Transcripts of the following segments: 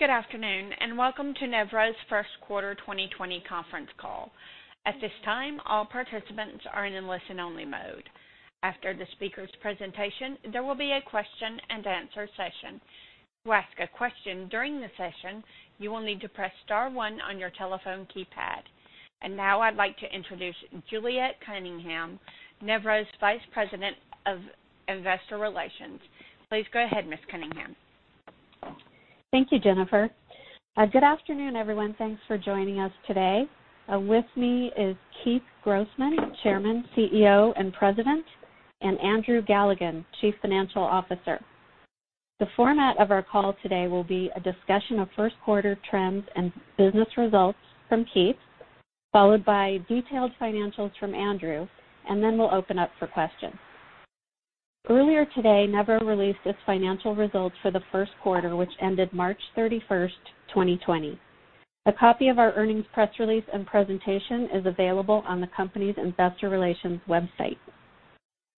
Good afternoon, and welcome to Nevro's First Quarter 2020 Conference Call. At this time, all participants are in listen only mode. After the speaker's presentation, there will be a question and answer session. To ask a question during the session, you will need to press star one on your telephone keypad. Now I'd like to introduce Juliet Cunningham, Nevro's Vice President of Investor Relations. Please go ahead, Ms. Cunningham. Thank you, Jennifer. Good afternoon, everyone. Thanks for joining us today. With me is Keith Grossman, Chairman, CEO, and President, and Andrew Galligan, Chief Financial Officer. The format of our call today will be a discussion of first quarter trends and business results from Keith, followed by detailed financials from Andrew, and then we'll open up for questions. Earlier today, Nevro released its financial results for the first quarter, which ended March 31st, 2020. A copy of our earnings press release and presentation is available on the company's investor relations website.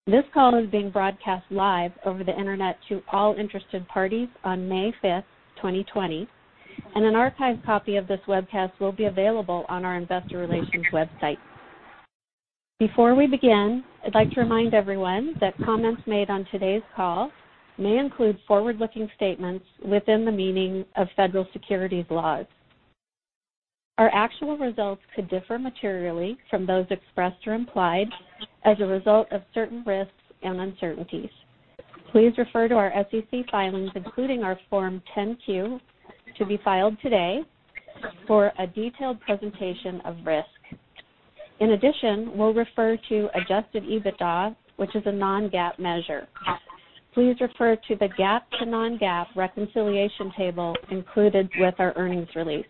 This call is being broadcast live over the internet to all interested parties on May 5th, 2020, and an archived copy of this webcast will be available on our investor relations website. Before we begin, I'd like to remind everyone that comments made on today's call may include forward-looking statements within the meaning of Federal Securities laws. Our actual results could differ materially from those expressed or implied as a result of certain risks and uncertainties. Please refer to our SEC filings, including our Form 10-Q, to be filed today, for a detailed presentation of risk. In addition, we'll refer to Adjusted EBITDA, which is a non-GAAP measure. Please refer to the GAAP to non-GAAP reconciliation table included with our earnings release.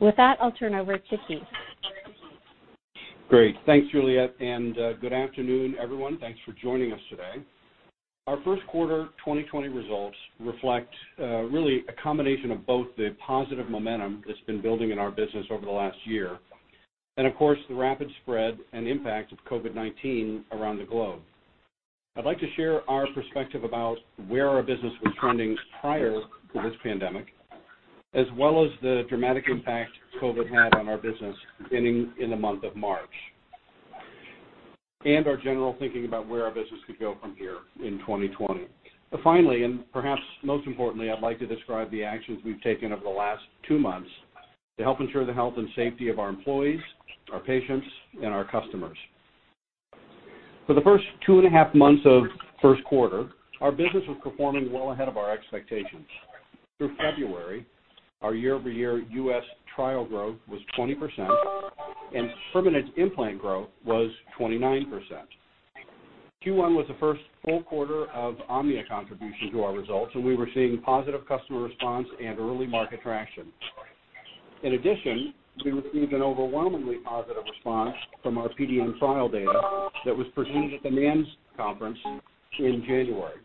With that, I'll turn over to Keith. Great. Thanks, Juliet, and good afternoon, everyone. Thanks for joining us today. Our first quarter 2020 results reflect really a combination of both the positive momentum that's been building in our business over the last year and, of course, the rapid spread and impact of COVID-19 around the globe. I'd like to share our perspective about where our business was trending prior to this pandemic, as well as the dramatic impact COVID had on our business beginning in the month of March, and our general thinking about where our business could go from here in 2020. Finally, and perhaps most importantly, I'd like to describe the actions we've taken over the last two months to help ensure the health and safety of our employees, our patients, and our customers. For the first two and a half months of first quarter, our business was performing well ahead of our expectations. Through February, our year-over-year U.S. trial growth was 20%, and permanent implant growth was 29%. Q1 was the first full quarter of Omnia contribution to our results, and we were seeing positive customer response and early market traction. In addition, we received an overwhelmingly positive response from our PDN trial data that was presented at the NANS conference in January.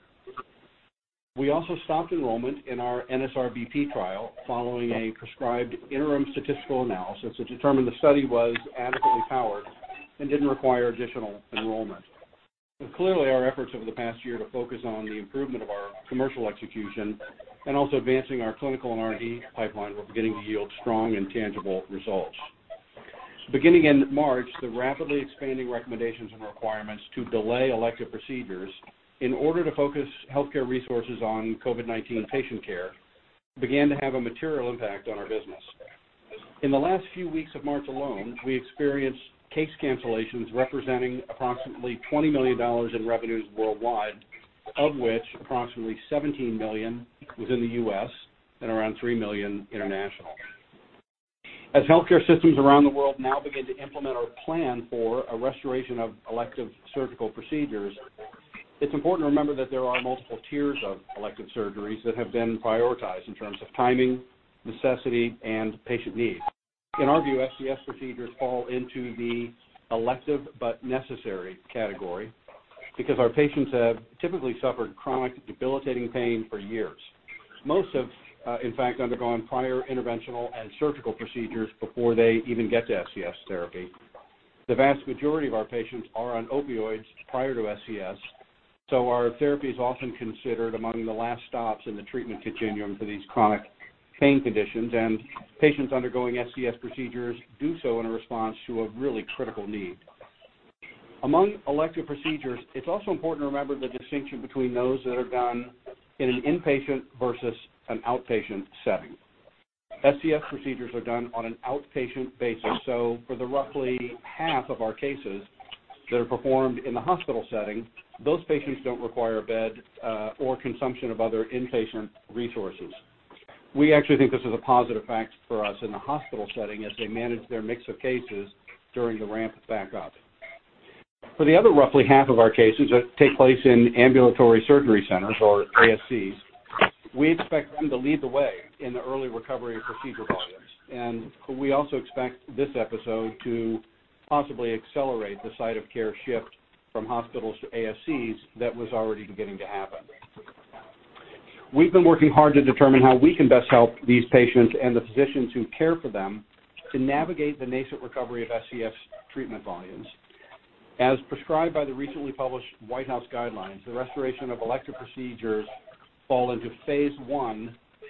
We also stopped enrollment in our NSRBP trial following a prescribed interim statistical analysis, which determined the study was adequately powered and didn't require additional enrollment. Clearly, our efforts over the past year to focus on the improvement of our commercial execution and also advancing our clinical and R&D pipeline were beginning to yield strong and tangible results. Beginning in March, the rapidly expanding recommendations and requirements to delay elective procedures in order to focus healthcare resources on COVID-19 patient care began to have a material impact on our business. In the last few weeks of March alone, we experienced case cancellations representing approximately $20 million in revenues worldwide, of which approximately $17 million was in the U.S. and around $3 million international. As healthcare systems around the world now begin to implement our plan for a restoration of elective surgical procedures, it's important to remember that there are multiple tiers of elective surgeries that have been prioritized in terms of timing, necessity, and patient need. In our view, SCS procedures fall into the elective but necessary category because our patients have typically suffered chronic debilitating pain for years. Most have, in fact, undergone prior interventional and surgical procedures before they even get to SCS therapy. The vast majority of our patients are on opioids prior to SCS, so our therapy is often considered among the last stops in the treatment continuum for these chronic pain conditions, and patients undergoing SCS procedures do so in response to a really critical need. Among elective procedures, it's also important to remember the distinction between those that are done in an inpatient versus an outpatient setting. SCS procedures are done on an outpatient basis, so for the roughly half of our cases that are performed in the hospital setting, those patients don't require a bed or consumption of other inpatient resources. We actually think this is a positive factor for us in the hospital setting as they manage their mix of cases during the ramp back up. For the other roughly half of our cases that take place in ambulatory surgery centers or ASCs, we expect them to lead the way in the early recovery of procedure volumes. We also expect this episode to possibly accelerate the site of care shift from hospitals to ASCs that was already beginning to happen. We've been working hard to determine how we can best help these patients and the physicians who care for them to navigate the nascent recovery of SCS treatment volumes. As prescribed by the recently published White House guidelines, the restoration of elective procedures fall into phase I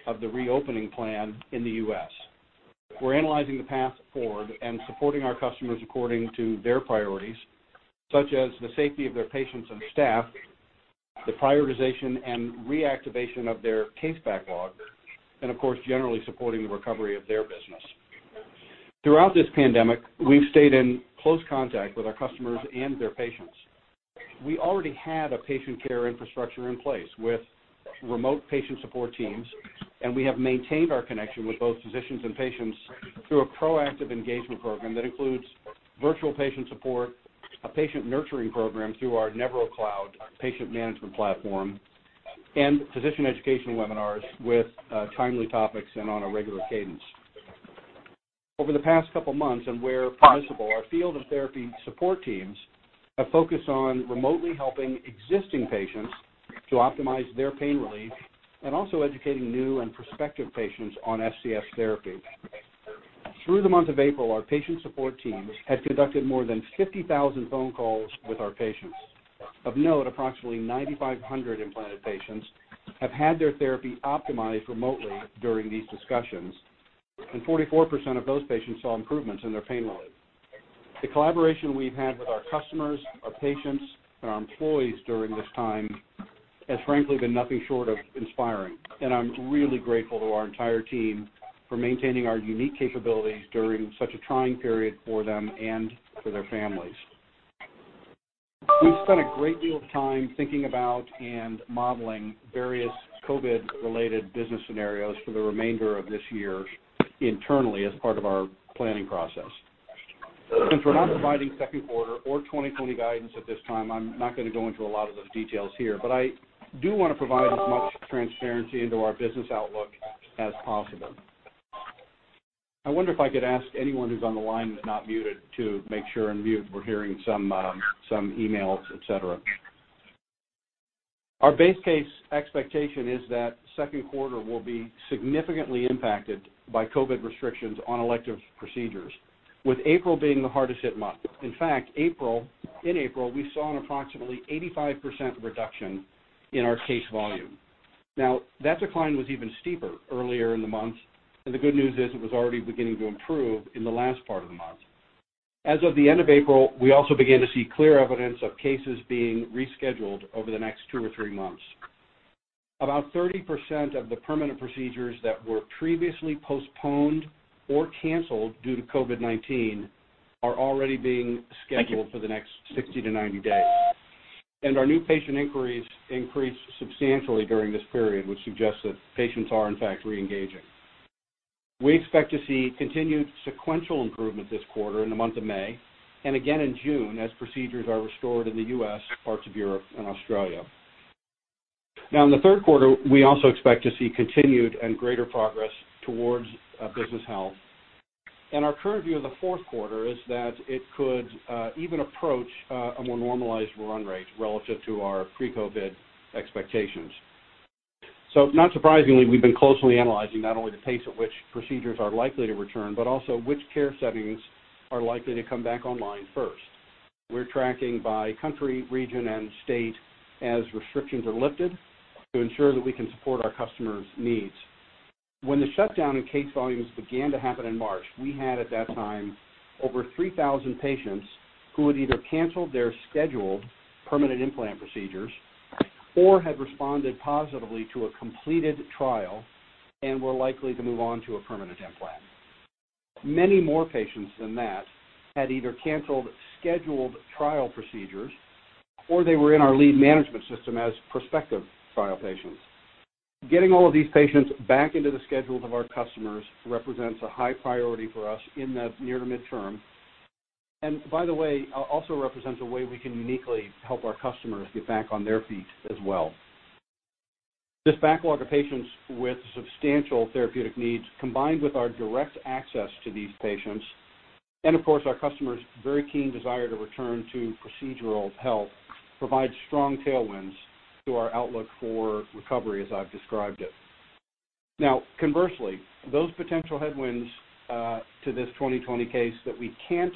of the reopening plan in the U.S. We're analyzing the path forward and supporting our customers according to their priorities, such as the safety of their patients and staff, the prioritization and reactivation of their case backlog, and of course, generally supporting the recovery of their business. Throughout this pandemic, we've stayed in close contact with our customers and their patients. We already had a patient care infrastructure in place with remote patient support teams, and we have maintained our connection with both physicians and patients through a proactive engagement program that includes virtual patient support, a patient nurturing program through our Nevrocloud patient management platform, and physician education webinars with timely topics and on a regular cadence. Over the past couple months, and where permissible, our field and therapy support teams have focused on remotely helping existing patients to optimize their pain relief, and also educating new and prospective patients on SCS therapy. Through the month of April, our patient support teams have conducted more than 50,000 phone calls with our patients. Of note, approximately 9,500 implanted patients have had their therapy optimized remotely during these discussions, and 44% of those patients saw improvements in their pain relief. The collaboration we've had with our customers, our patients, and our employees during this time has frankly been nothing short of inspiring, and I'm really grateful to our entire team for maintaining our unique capabilities during such a trying period for them and for their families. We've spent a great deal of time thinking about and modeling various COVID-related business scenarios for the remainder of this year internally as part of our planning process. Since we're not providing second quarter or 2020 guidance at this time, I'm not going to go into a lot of those details here, but I do want to provide as much transparency into our business outlook as possible. I wonder if I could ask anyone who's on the line and not muted to make sure and mute. We're hearing some emails, et cetera. Our base case expectation is that second quarter will be significantly impacted by COVID-19 restrictions on elective procedures, with April being the hardest hit month. In fact, in April, we saw an approximately 85% reduction in our case volume. Now, that decline was even steeper earlier in the month, and the good news is it was already beginning to improve in the last part of the month. As of the end of April, we also began to see clear evidence of cases being rescheduled over the next two or three months. About 30% of the permanent procedures that were previously postponed or canceled due to COVID-19 are already being scheduled for the next 60-90 days. Our new patient inquiries increased substantially during this period, which suggests that patients are in fact reengaging. We expect to see continued sequential improvement this quarter in the month of May, and again in June as procedures are restored in the U.S., parts of Europe, and Australia. In the third quarter, we also expect to see continued and greater progress towards business health. Our current view of the fourth quarter is that it could even approach a more normalized run rate relative to our pre-COVID expectations. Not surprisingly, we've been closely analyzing not only the pace at which procedures are likely to return, but also which care settings are likely to come back online first. We're tracking by country, region, and state as restrictions are lifted to ensure that we can support our customers' needs. When the shutdown in case volumes began to happen in March, we had at that time over 3,000 patients who had either canceled their scheduled permanent implant procedures or had responded positively to a completed trial and were likely to move on to a permanent implant. Many more patients than that had either canceled scheduled trial procedures or they were in our lead management system as prospective trial patients. Getting all of these patients back into the schedules of our customers represents a high priority for us in the near to midterm, and by the way, also represents a way we can uniquely help our customers get back on their feet as well. This backlog of patients with substantial therapeutic needs, combined with our direct access to these patients, and of course our customers' very keen desire to return to procedural health, provides strong tailwinds to our outlook for recovery as I've described it. Now, conversely, those potential headwinds to this 2020 case that we can't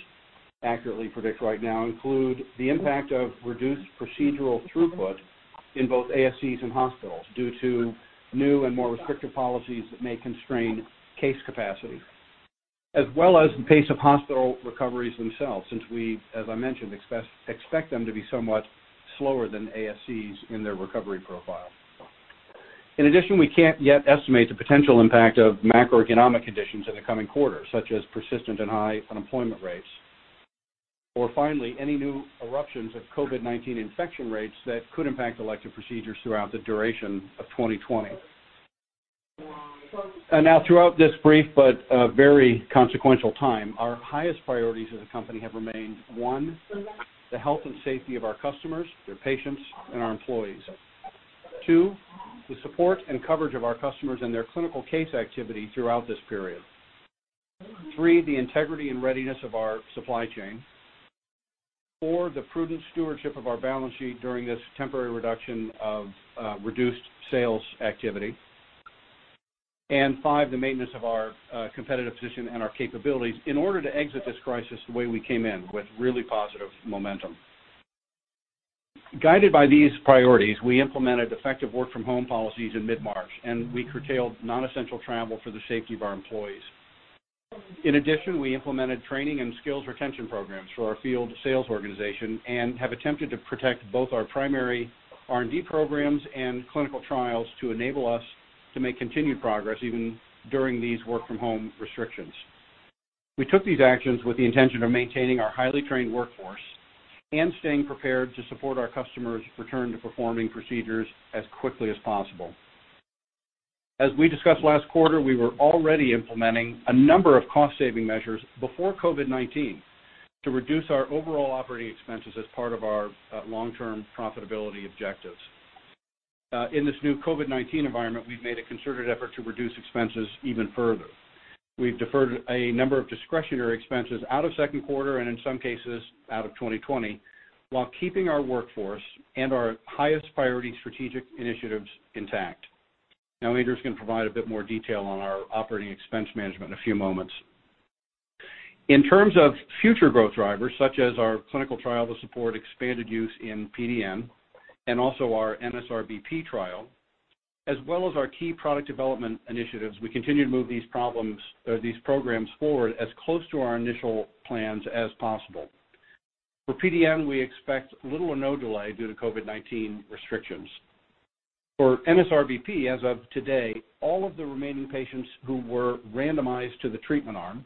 accurately predict right now include the impact of reduced procedural throughput in both ASCs and hospitals due to new and more restrictive policies that may constrain case capacity, as well as the pace of hospital recoveries themselves, since we, as I mentioned, expect them to be somewhat slower than ASCs in their recovery profile. In addition, we can't yet estimate the potential impact of macroeconomic conditions in the coming quarters, such as persistent and high unemployment rates, or finally, any new eruptions of COVID-19 infection rates that could impact elective procedures throughout the duration of 2020. Now throughout this brief but very consequential time, our highest priorities as a company have remained, one, the health and safety of our customers, their patients, and our employees. Two, the support and coverage of our customers and their clinical case activity throughout this period. Three, the integrity and readiness of our supply chain. Four, the prudent stewardship of our balance sheet during this temporary reduction of reduced sales activity. Five, the maintenance of our competitive position and our capabilities in order to exit this crisis the way we came in, with really positive momentum. Guided by these priorities, we implemented effective work from home policies in mid-March, and we curtailed non-essential travel for the safety of our employees. In addition, we implemented training and skills retention programs for our field sales organization and have attempted to protect both our primary R&D programs and clinical trials to enable us to make continued progress even during these work from home restrictions. We took these actions with the intention of maintaining our highly trained workforce and staying prepared to support our customers return to performing procedures as quickly as possible. As we discussed last quarter, we were already implementing a number of cost saving measures before COVID-19 to reduce our overall operating expenses as part of our long-term profitability objectives. In this new COVID-19 environment, we've made a concerted effort to reduce expenses even further. We've deferred a number of discretionary expenses out of second quarter and in some cases out of 2020, while keeping our workforce and our highest priority strategic initiatives intact. Now Andrew's going to provide a bit more detail on our operating expense management in a few moments. In terms of future growth drivers such as our clinical trial to support expanded use in PDN and also our NSRBP trial, as well as our key product development initiatives, we continue to move these programs forward as close to our initial plans as possible. For PDN, we expect little or no delay due to COVID-19 restrictions. For NSRBP, as of today, all of the remaining patients who were randomized to the treatment arm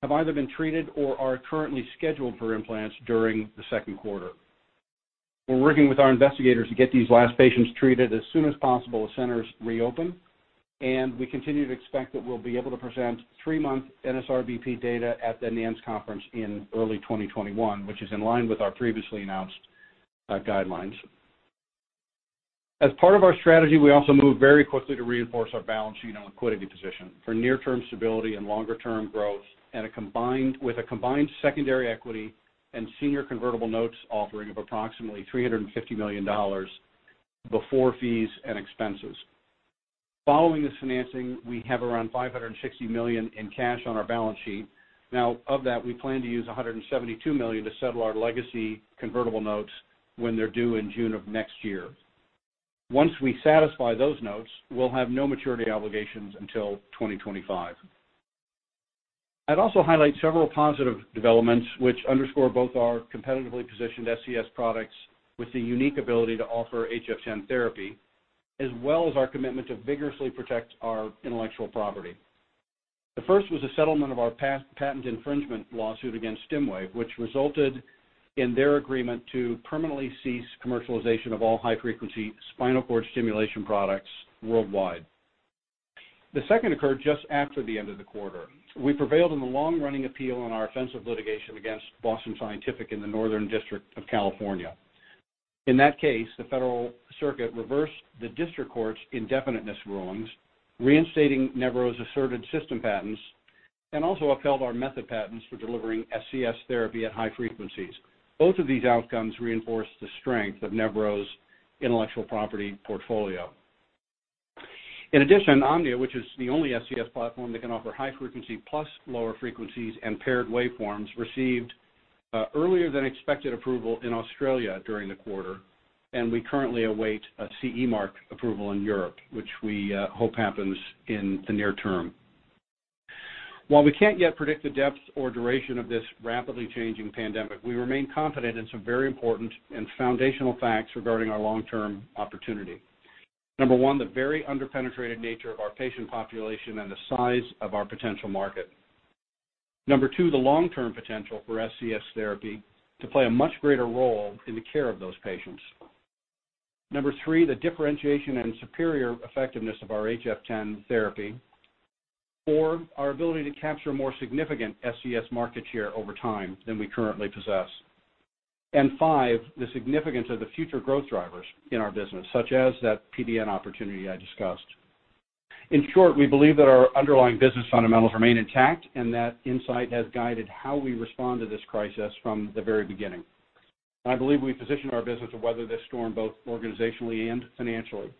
have either been treated or are currently scheduled for implants during the second quarter. We're working with our investigators to get these last patients treated as soon as possible as centers reopen, and we continue to expect that we'll be able to present 3-month NSRBP data at the NANS conference in early 2021, which is in line with our previously announced guidelines. As part of our strategy, we also moved very quickly to reinforce our balance sheet and liquidity position for near-term stability and longer-term growth with a combined secondary equity and senior convertible notes offering of approximately $350 million before fees and expenses. Following this financing, we have around $560 million in cash on our balance sheet. Now, of that, we plan to use $172 million to settle our legacy convertible notes when they're due in June of next year. Once we satisfy those notes, we'll have no maturity obligations until 2025. I'd also highlight several positive developments which underscore both our competitively positioned SCS products with the unique ability to offer HF10 therapy, as well as our commitment to vigorously protect our intellectual property. The first was a settlement of our patent infringement lawsuit against Stimwave, which resulted in their agreement to permanently cease commercialization of all high-frequency spinal cord stimulation products worldwide. The second occurred just after the end of the quarter. We prevailed in the long-running appeal on our offensive litigation against Boston Scientific in the Northern District of California. In that case, the Federal Circuit reversed the district court's indefiniteness rulings, reinstating Nevro's asserted system patents, and also upheld our method patents for delivering SCS therapy at high frequencies. Both of these outcomes reinforce the strength of Nevro's intellectual property portfolio. In addition, Omnia, which is the only SCS platform that can offer high frequency plus lower frequencies and paired waveforms, received earlier than expected approval in Australia during the quarter. We currently await a CE mark approval in Europe, which we hope happens in the near term. While we can't yet predict the depth or duration of this rapidly changing pandemic, we remain confident in some very important and foundational facts regarding our long-term opportunity. Number one, the very under-penetrated nature of our patient population and the size of our potential market. Number two, the long-term potential for SCS therapy to play a much greater role in the care of those patients. Number three, the differentiation and superior effectiveness of our HF10 therapy. Four, our ability to capture more significant SCS market share over time than we currently possess. Five, the significance of the future growth drivers in our business, such as that PDN opportunity I discussed. In short, we believe that our underlying business fundamentals remain intact, and that insight has guided how we respond to this crisis from the very beginning. I believe we've positioned our business to weather this storm, both organizationally and financially.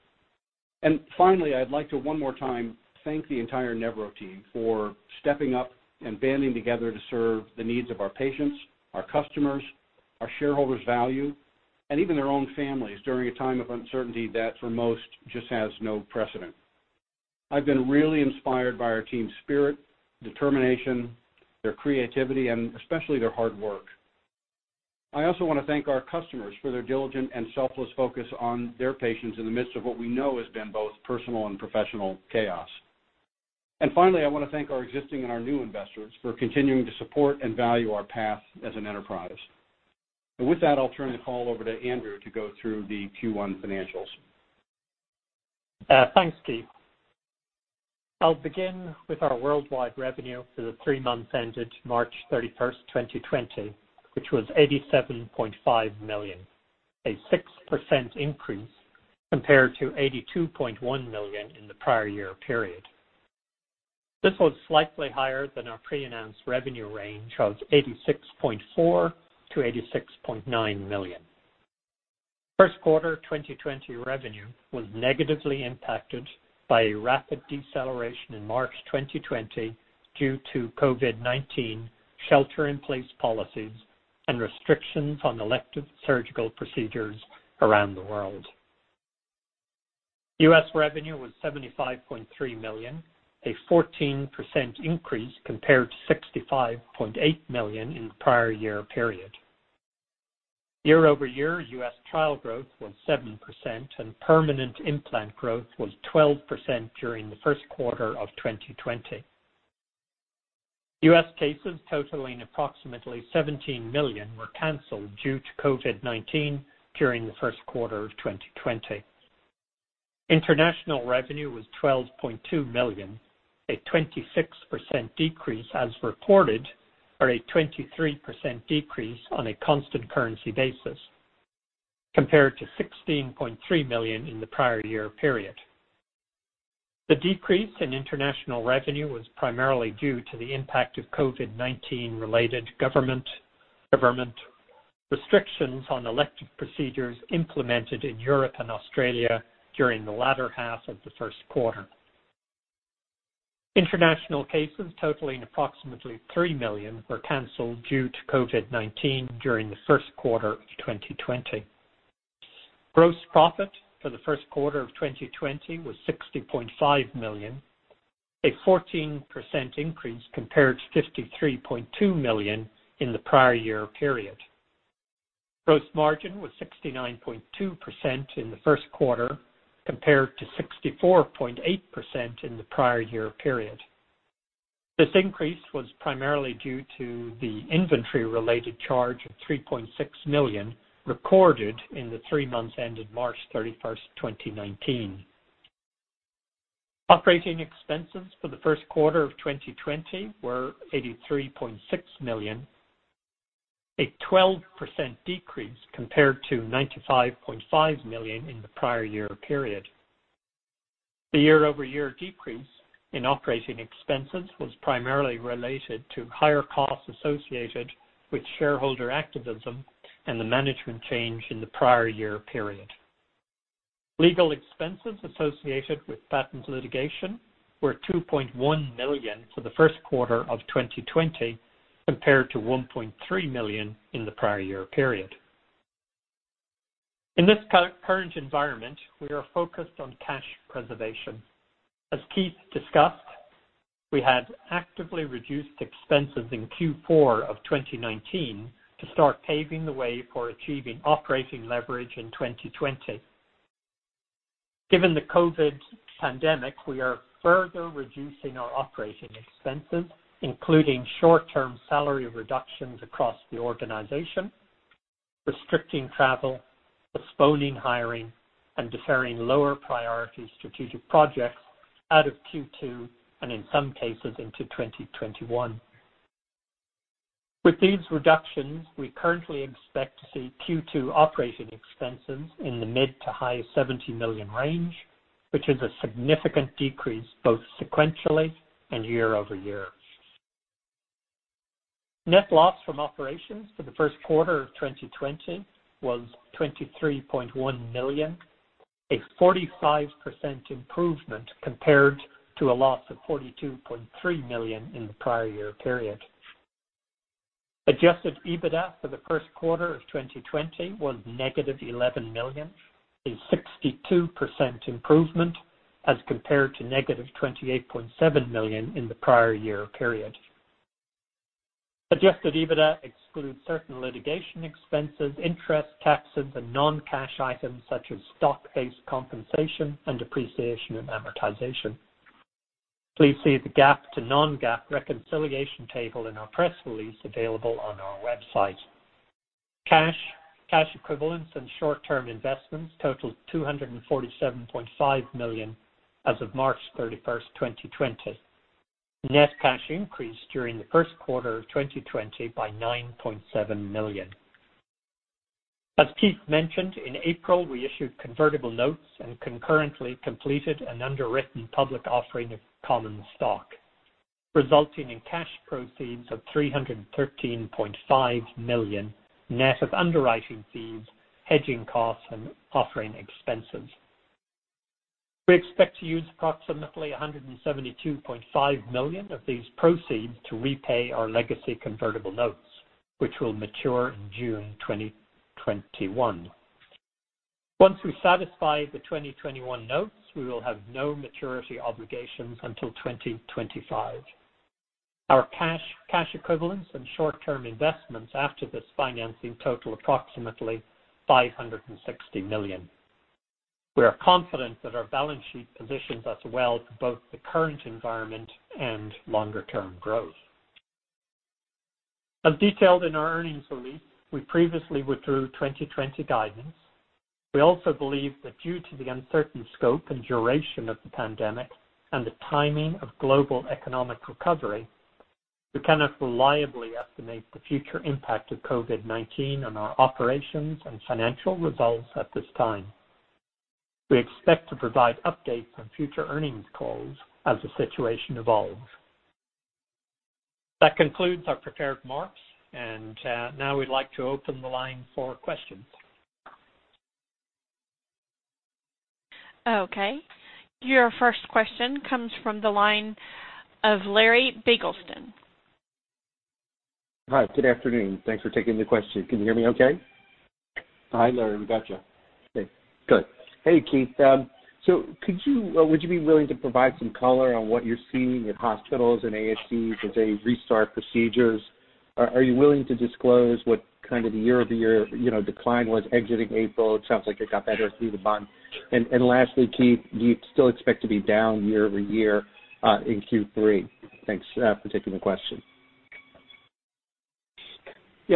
Finally, I'd like to one more time thank the entire Nevro team for stepping up and banding together to serve the needs of our patients, our customers, our shareholders' value, and even their own families during a time of uncertainty that for most just has no precedent. I've been really inspired by our team's spirit, determination, their creativity, and especially their hard work. I also want to thank our customers for their diligent and selfless focus on their patients in the midst of what we know has been both personal and professional chaos. Finally, I want to thank our existing and our new investors for continuing to support and value our path as an enterprise. With that, I'll turn the call over to Andrew to go through the Q1 financials. Thanks, Keith. I'll begin with our worldwide revenue for the three months ended March 31st, 2020, which was $87.5 million, a 6% increase compared to $82.1 million in the prior year period. This was slightly higher than our pre-announced revenue range of $86.4 million-$86.9 million. First quarter 2020 revenue was negatively impacted by a rapid deceleration in March 2020 due to COVID-19 shelter-in-place policies and restrictions on elective surgical procedures around the world. U.S. revenue was $75.3 million, a 14% increase compared to $65.8 million in the prior year period. Year-over-year, U.S. trial growth was 7%, and permanent implant growth was 12% during the first quarter of 2020. U.S. cases totaling approximately 17 million were canceled due to COVID-19 during the first quarter of 2020. International revenue was $12.2 million, a 26% decrease as reported, or a 23% decrease on a constant currency basis, compared to $16.3 million in the prior year period. The decrease in international revenue was primarily due to the impact of COVID-19-related government restrictions on elective procedures implemented in Europe and Australia during the latter half of the first quarter. International cases totaling approximately 3 million were canceled due to COVID-19 during the first quarter of 2020. Gross profit for the first quarter of 2020 was $60.5 million, a 14% increase compared to $53.2 million in the prior year period. Gross margin was 69.2% in the first quarter compared to 64.8% in the prior year period. This increase was primarily due to the inventory-related charge of $3.6 million recorded in the three months ended March 31, 2019. Operating expenses for the first quarter of 2020 were $83.6 million, a 12% decrease compared to $95.5 million in the prior year period. The year-over-year decrease in operating expenses was primarily related to higher costs associated with shareholder activism and the management change in the prior year period. Legal expenses associated with patents litigation were $2.1 million for the first quarter of 2020, compared to $1.3 million in the prior year period. In this current environment, we are focused on cash preservation. As Keith discussed, we had actively reduced expenses in Q4 of 2019 to start paving the way for achieving operating leverage in 2020. Given the COVID-19 pandemic, we are further reducing our operating expenses, including short-term salary reductions across the organization, restricting travel, postponing hiring, and deferring lower priority strategic projects out of Q2, and in some cases, into 2021. With these reductions, we currently expect to see Q2 operating expenses in the mid to high $70 million range, which is a significant decrease both sequentially and year-over-year. Net loss from operations for the first quarter of 2020 was $23.1 million, a 45% improvement compared to a loss of $42.3 million in the prior year period. Adjusted EBITDA for the first quarter of 2020 was negative $11 million, a 62% improvement as compared to negative $28.7 million in the prior year period. Adjusted EBITDA excludes certain litigation expenses, interest, taxes, and non-cash items such as stock-based compensation and depreciation and amortization. Please see the GAAP to non-GAAP reconciliation table in our press release available on our website. Cash, cash equivalents, and short-term investments totaled $247.5 million as of March 31st, 2020. Net cash increased during the first quarter of 2020 by $9.7 million. As Keith mentioned, in April, we issued convertible notes and concurrently completed an underwritten public offering of common stock, resulting in cash proceeds of $313.5 million, net of underwriting fees, hedging costs, and offering expenses. We expect to use approximately $172.5 million of these proceeds to repay our legacy convertible notes, which will mature in June 2021. Once we satisfy the 2021 notes, we will have no maturity obligations until 2025. Our cash, cash equivalents, and short-term investments after this financing total approximately $560 million. We are confident that our balance sheet positions us well for both the current environment and longer-term growth. As detailed in our earnings release, we previously withdrew 2020 guidance. We also believe that due to the uncertain scope and duration of the pandemic and the timing of global economic recovery, we cannot reliably estimate the future impact of COVID-19 on our operations and financial results at this time. We expect to provide updates on future earnings calls as the situation evolves. That concludes our prepared remarks. Now we'd like to open the line for questions. Okay. Your first question comes from the line of Larry Biegelsen. Hi, good afternoon. Thanks for taking the question. Can you hear me okay? Hi, Larry. We got you. Okay, good. Hey, Keith. Would you be willing to provide some color on what you're seeing at hospitals and ASCs as they restart procedures? Are you willing to disclose what kind of the year-over-year decline was exiting April? It sounds like it got better through the month. Lastly, Keith, do you still expect to be down year-over-year in Q3? Thanks for taking the question.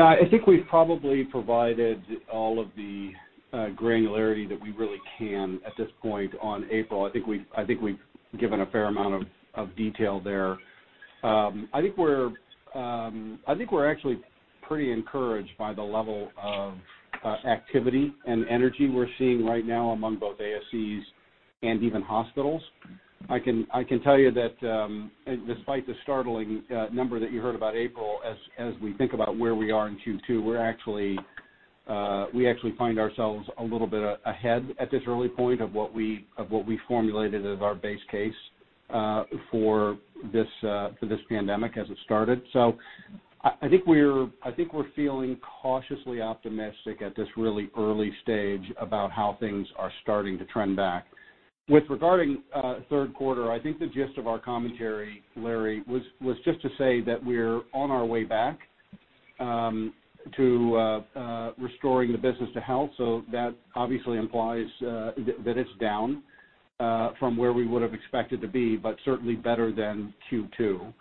I think we've probably provided all of the granularity that we really can at this point on April. I think we've given a fair amount of detail there. I think we're actually pretty encouraged by the level of activity and energy we're seeing right now among both ASCs and even hospitals. I can tell you that, despite the startling number that you heard about April, as we think about where we are in Q2, we actually find ourselves a little bit ahead at this early point of what we formulated as our base case for this pandemic as it started. I think we're feeling cautiously optimistic at this really early stage about how things are starting to trend back. With regarding third quarter, I think the gist of our commentary, Larry, was just to say that we're on our way back to restoring the business to health, so that obviously implies that it's down from where we would've expected to be, but certainly better than Q2.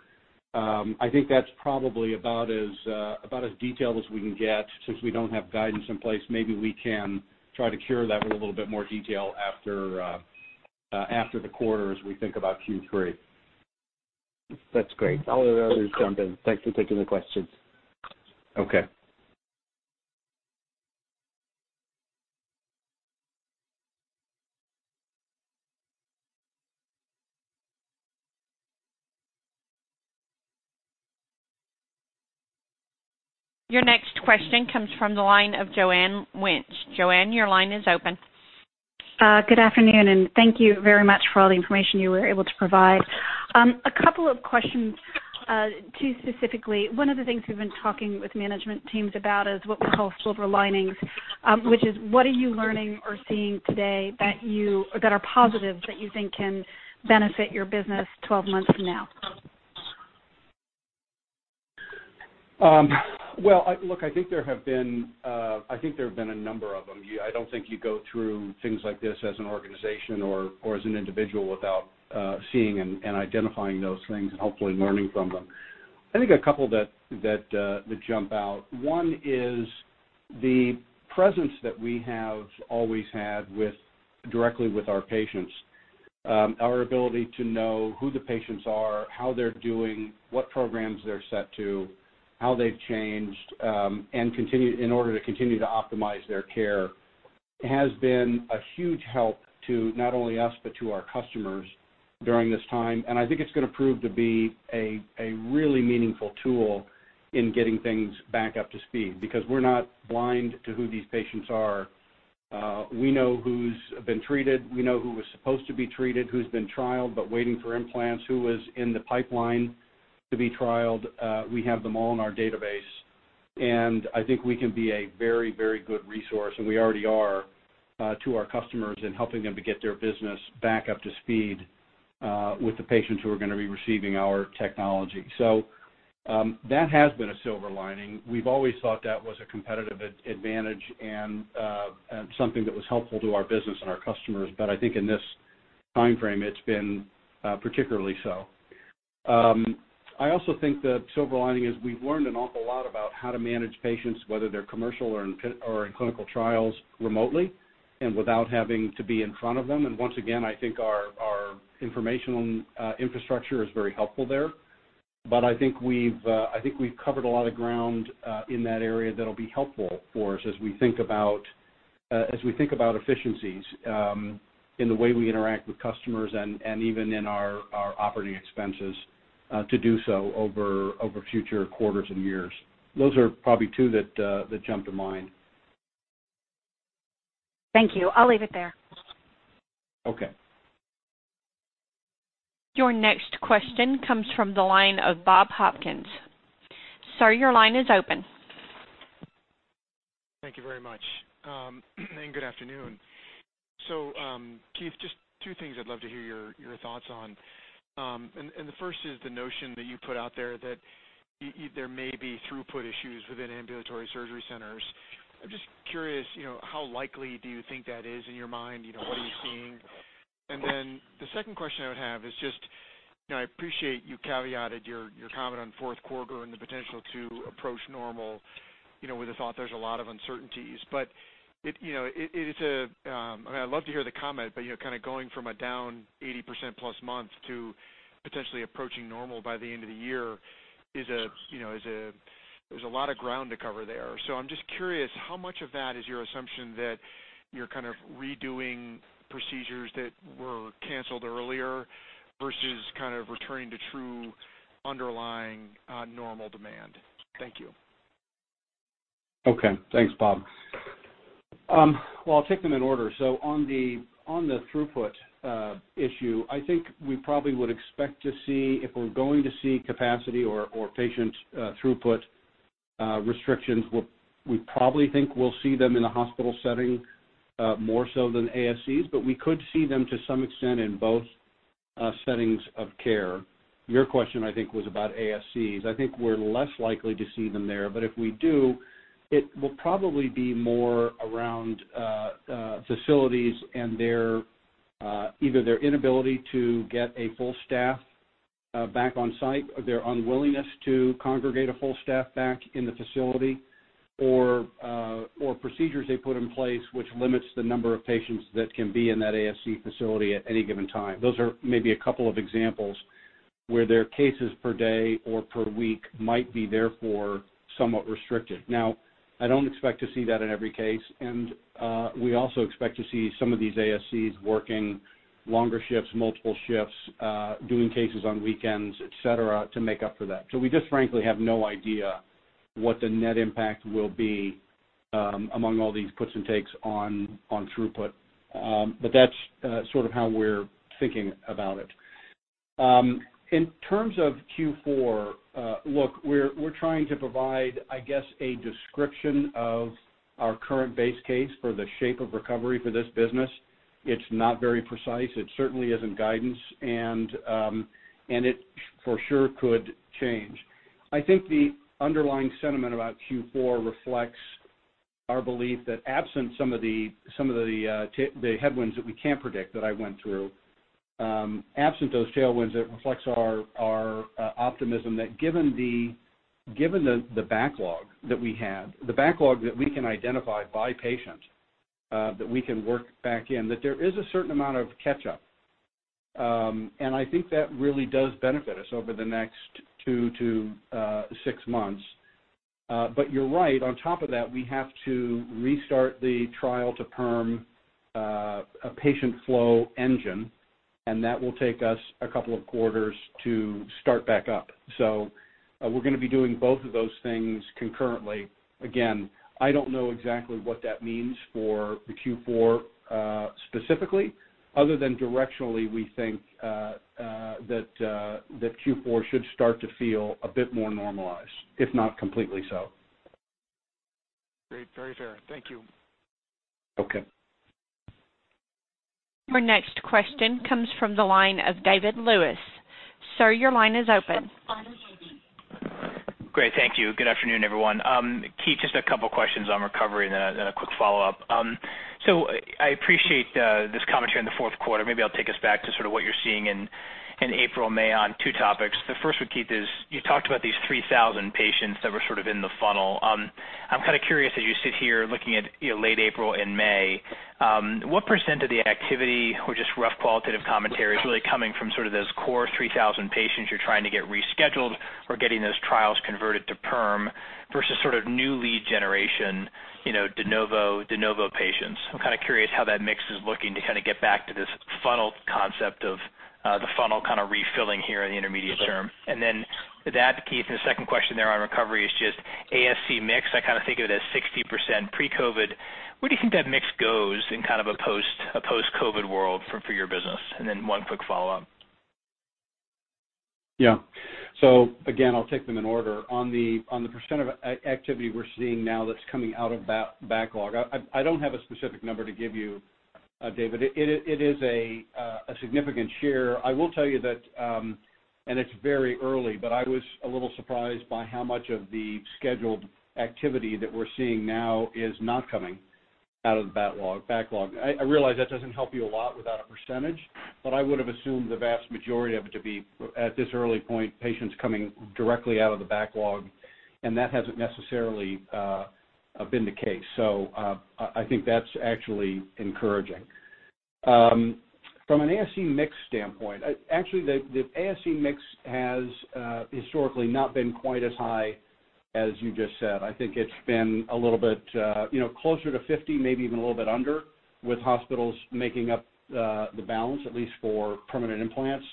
I think that's probably about as detailed as we can get since we don't have guidance in place. Maybe we can try to cure that with a little bit more detail after the quarter as we think about Q3. That's great. I'll let others jump in. Thanks for taking the questions. Okay. Your next question comes from the line of Joanne Wuensch. Joanne, your line is open. Good afternoon. Thank you very much for all the information you were able to provide. A couple of questions, two specifically, one of the things we've been talking with management teams about is what we call silver linings, which is, what are you learning or seeing today that are positive that you think can benefit your business 12 months from now? Well, look, I think there have been a number of them. I don't think you go through things like this as an organization or as an individual without seeing and identifying those things and hopefully learning from them. I think a couple that jump out, one is the presence that we have always had directly with our patients. Our ability to know who the patients are, how they're doing, what programs they're set to, how they've changed, in order to continue to optimize their care, has been a huge help to not only us but to our customers during this time. I think it's going to prove to be a really meaningful tool in getting things back up to speed because we're not blind to who these patients are. We know who's been treated, we know who was supposed to be treated, who's been trialed, but waiting for implants, who was in the pipeline to be trialed. We have them all in our database, and I think we can be a very good resource, and we already are, to our customers in helping them to get their business back up to speed with the patients who are going to be receiving our technology. That has been a silver lining. We've always thought that was a competitive advantage and something that was helpful to our business and our customers. I think in this timeframe, it's been particularly so. I also think the silver lining is we've learned an awful lot about how to manage patients, whether they're commercial or in clinical trials remotely and without having to be in front of them. Once again, I think our informational infrastructure is very helpful there. I think we've covered a lot of ground in that area that'll be helpful for us as we think about efficiencies in the way we interact with customers and even in our operating expenses to do so over future quarters and years. Those are probably two that jump to mind. Thank you. I'll leave it there. Okay. Your next question comes from the line of Bob Hopkins. Sir, your line is open. Thank you very much and good afternoon. Keith, just two things I'd love to hear your thoughts on. The first is the notion that you put out there that there may be throughput issues within ambulatory surgery centers. I'm just curious, how likely do you think that is in your mind? What are you seeing? Then the second question I would have is just, I appreciate you caveated your comment on fourth quarter and the potential to approach normal, with a thought there's a lot of uncertainties. I'd love to hear the comment, but kind of going from a down 80% plus month to potentially approaching normal by the end of the year is a lot of ground to cover there. I'm just curious, how much of that is your assumption that you're kind of redoing procedures that were canceled earlier versus kind of returning to true underlying normal demand? Thank you. Okay. Thanks, Bob. Well, I'll take them in order. On the throughput issue, I think we probably would expect to see if we're going to see capacity or patient throughput restrictions, we probably think we'll see them in a hospital setting more so than ASCs. We could see them to some extent in both settings of care. Your question, I think, was about ASCs. I think we're less likely to see them there, but if we do, it will probably be more around facilities and either their inability to get a full staff back on site, or their unwillingness to congregate a full staff back in the facility, or procedures they put in place which limits the number of patients that can be in that ASC facility at any given time. Those are maybe a couple of examples where their cases per day or per week might be therefore somewhat restricted. I don't expect to see that in every case, and we also expect to see some of these ASCs working longer shifts, multiple shifts, doing cases on weekends, et cetera, to make up for that. We just frankly have no idea what the net impact will be among all these puts and takes on throughput. That's sort of how we're thinking about it. In terms of Q4, look, we're trying to provide, I guess, a description of our current base case for the shape of recovery for this business. It's not very precise. It certainly isn't guidance, and it for sure could change. I think the underlying sentiment about Q4 reflects our belief that absent some of the headwinds that we can't predict that I went through, absent those tailwinds, it reflects our optimism that given the backlog that we have, the backlog that we can identify by patient that we can work back in, that there is a certain amount of catch-up. I think that really does benefit us over the next 2-6 months. You're right. On top of that, we have to restart the trial to perm patient flow engine, and that will take us a couple of quarters to start back up. We're going to be doing both of those things concurrently. Again, I don't know exactly what that means for the Q4 specifically, other than directionally, we think that Q4 should start to feel a bit more normalized, if not completely so. Great. Very fair. Thank you. Okay. Our next question comes from the line of David Lewis. Sir, your line is open. Great, thank you. Good afternoon, everyone. Keith, just a couple of questions on recovery and a quick follow-up. I appreciate this commentary on the fourth quarter. Maybe I'll take us back to sort of what you're seeing in April and May on two topics. The first one, Keith, is you talked about these 3,000 patients that were sort of in the funnel. I'm kind of curious, as you sit here looking at late April and May, what percent of the activity, or just rough qualitative commentary, is really coming from sort of those core 3,000 patients you're trying to get rescheduled or getting those trials converted to perm versus sort of new lead generation de novo patients? I'm kind of curious how that mix is looking to kind of get back to this funnel concept of the funnel kind of refilling here in the intermediate term. With that, Keith, the second question there on recovery is just ASC mix. I kind of think of it as 60% pre-COVID. Where do you think that mix goes in kind of a post-COVID world for your business? One quick follow-up. Yeah. Again, I'll take them in order. On the percent of activity we're seeing now that's coming out of backlog, I don't have a specific number to give you, David. It is a significant share. I will tell you that, and it's very early, but I was a little surprised by how much of the scheduled activity that we're seeing now is not coming out of the backlog. I realize that doesn't help you a lot without a percentage, but I would have assumed the vast majority of it to be, at this early point, patients coming directly out of the backlog, and that hasn't necessarily been the case. I think that's actually encouraging. From an ASC mix standpoint, actually, the ASC mix has historically not been quite as high as you just said. I think it's been a little bit closer to 50%, maybe even a little bit under, with hospitals making up the balance, at least for permanent implants.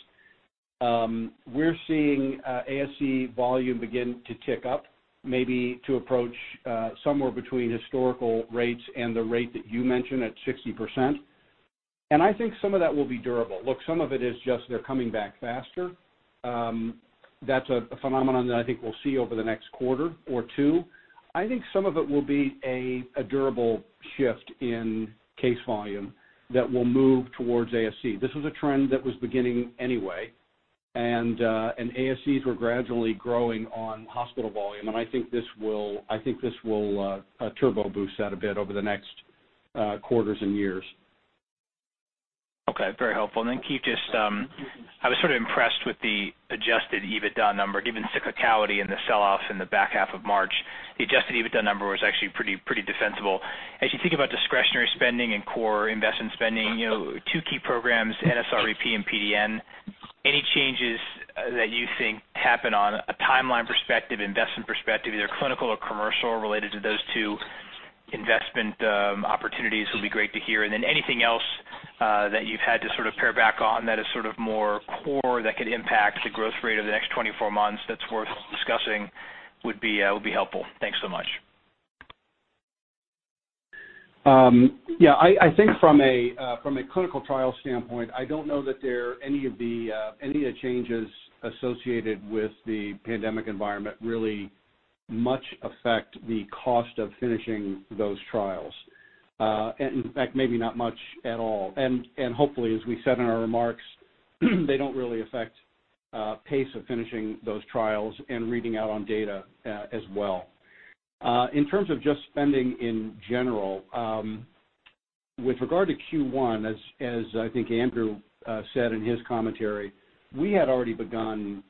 We're seeing ASC volume begin to tick up, maybe to approach somewhere between historical rates and the rate that you mentioned at 60%. I think some of that will be durable. Look, some of it is just they're coming back faster. That's a phenomenon that I think we'll see over the next quarter or two. I think some of it will be a durable shift in case volume that will move towards ASC. This was a trend that was beginning anyway, and ASCs were gradually growing on hospital volume, and I think this will turbo boost that a bit over the next quarters and years. Okay. Very helpful. Keith, I was sort of impressed with the Adjusted EBITDA number, given cyclicality and the sell-offs in the back half of March. The Adjusted EBITDA number was actually pretty defensible. As you think about discretionary spending and core investment spending, two key programs, NSRBP and PDN, any changes that you think happen on a timeline perspective, investment perspective, either clinical or commercial related to those two investment opportunities would be great to hear? Anything else that you've had to sort of pare back on that is sort of more core that could impact the growth rate over the next 24 months that's worth discussing would be helpful. Thanks so much. Yeah, I think from a clinical trial standpoint, I don't know that any of the changes associated with the pandemic environment really much affect the cost of finishing those trials. In fact, maybe not much at all. Hopefully, as we said in our remarks, they don't really affect pace of finishing those trials and reading out on data as well. In terms of just spending in general, with regard to Q1, as I think Andrew said in his commentary, we had already begun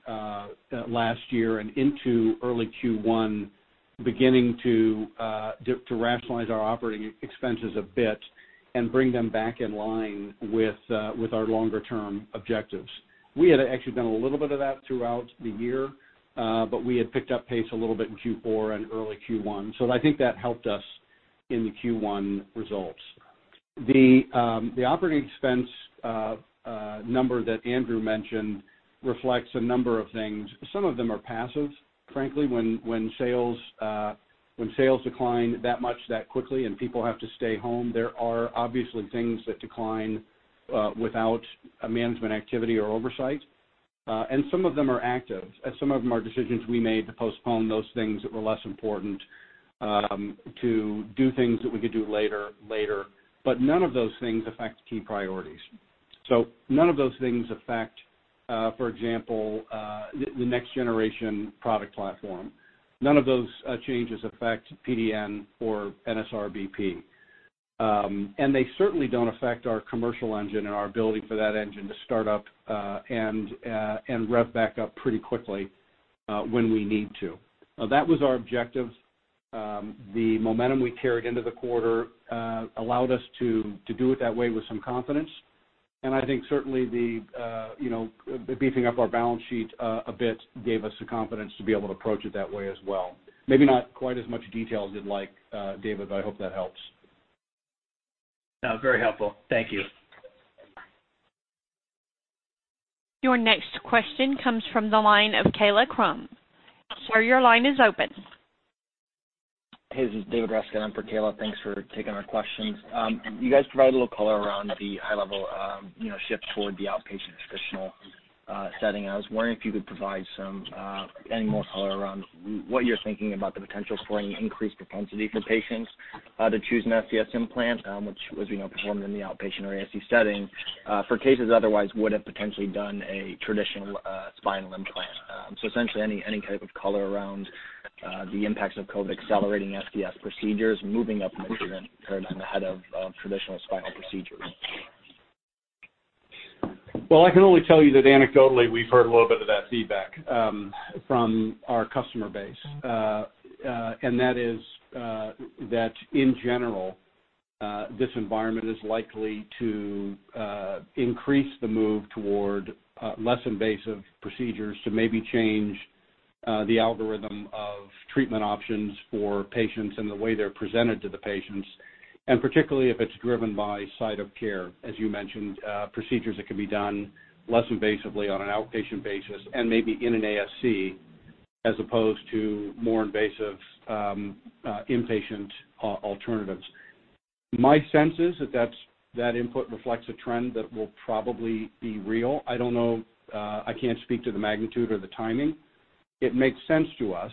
last year and into early Q1, beginning to rationalize our operating expenses a bit and bring them back in line with our longer-term objectives. We had actually done a little bit of that throughout the year, but we had picked up pace a little bit in Q4 and early Q1, so I think that helped us in the Q1 results. The operating expense number that Andrew mentioned reflects a number of things. Some of them are passive, frankly. When sales decline that much that quickly and people have to stay home, there are obviously things that decline without a management activity or oversight. Some of them are active, as some of them are decisions we made to postpone those things that were less important to do things that we could do later. None of those things affect key priorities. None of those things affect, for example, the next generation product platform. None of those changes affect PDN or NSRBP. They certainly don't affect our commercial engine and our ability for that engine to start up and rev back up pretty quickly when we need to. That was our objective. The momentum we carried into the quarter allowed us to do it that way with some confidence, and I think certainly the beefing up our balance sheet a bit gave us the confidence to be able to approach it that way as well. Maybe not quite as much detail as you'd like, David, but I hope that helps. No, very helpful. Thank you. Your next question comes from the line of Kaila Krum. Sir, your line is open. Hey, this is David Rescott in for Kaila. Thanks for taking our questions. You guys provided a little color around the high level shift toward the outpatient traditional setting. I was wondering if you could provide any more color around what you're thinking about the potential for any increased propensity for patients to choose an SCS implant, which, as we know, performed in the outpatient or ASC setting, for cases otherwise would've potentially done a traditional spinal implant. Essentially any type of color around the impacts of COVID accelerating SCS procedures, moving up in the treatment paradigm ahead of traditional spinal procedures. Well, I can only tell you that anecdotally, we've heard a little bit of that feedback from our customer base. That is that in general, this environment is likely to increase the move toward less invasive procedures to maybe change the algorithm of treatment options for patients and the way they're presented to the patients, and particularly if it's driven by site of care, as you mentioned, procedures that can be done less invasively on an outpatient basis and maybe in an ASC as opposed to more invasive inpatient alternatives. My sense is that input reflects a trend that will probably be real. I don't know, I can't speak to the magnitude or the timing. It makes sense to us.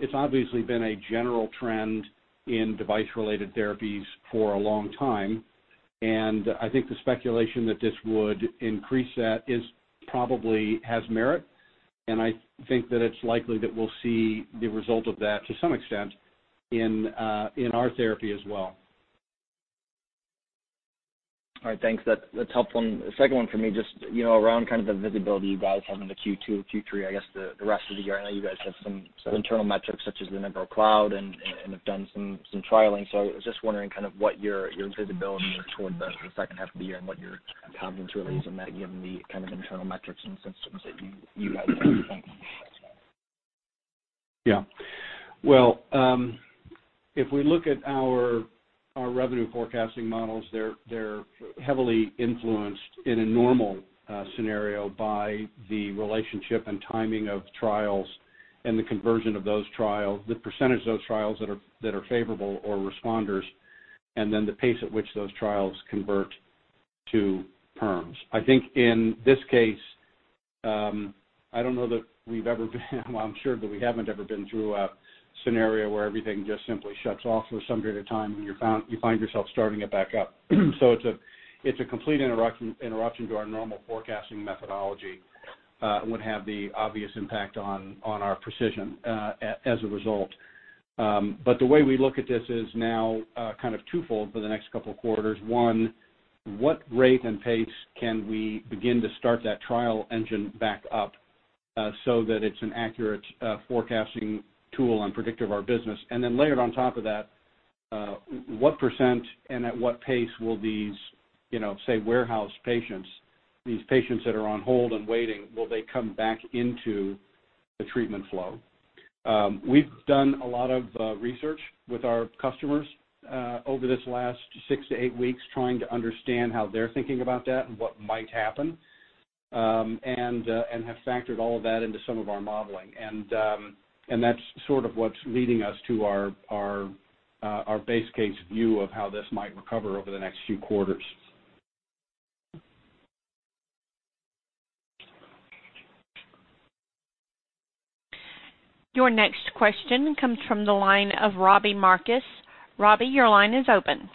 It's obviously been a general trend in device-related therapies for a long time, and I think the speculation that this would increase that probably has merit, and I think that it's likely that we'll see the result of that to some extent in our therapy as well. All right, thanks. That's helpful. The second one for me, just around kind of the visibility you guys have into Q2, Q3, I guess the rest of the year. I know you guys have some internal metrics such as the Nevrocloud and have done some trialing. I was just wondering kind of what your visibility is toward the second half of the year and what your confidence really is in that, given the kind of internal metrics and systems that you guys are using. Yeah. Well, if we look at our revenue forecasting models, they're heavily influenced in a normal scenario by the relationship and timing of trials and the conversion of those trials, the percentage of those trials that are favorable or responders, and then the pace at which those trials convert to perms. I think in this case, I don't know that we've ever been well, I'm sure that we haven't ever been through a scenario where everything just simply shuts off for some period of time and you find yourself starting it back up. It's a complete interruption to our normal forecasting methodology and would have the obvious impact on our precision as a result. The way we look at this is now kind of twofold for the next couple of quarters. One, what rate and pace can we begin to start that trial engine back up so that it's an accurate forecasting tool and predictor of our business? Layered on top of that, what percent and at what pace will these, say, warehoused patients, these patients that are on hold and waiting, will they come back into the treatment flow? We've done a lot of research with our customers over this last 6-8 weeks trying to understand how they're thinking about that and what might happen, and have factored all of that into some of our modeling. That's sort of what's leading us to our base case view of how this might recover over the next few quarters. Your next question comes from the line of Robbie Marcus. Robbie, your line is open.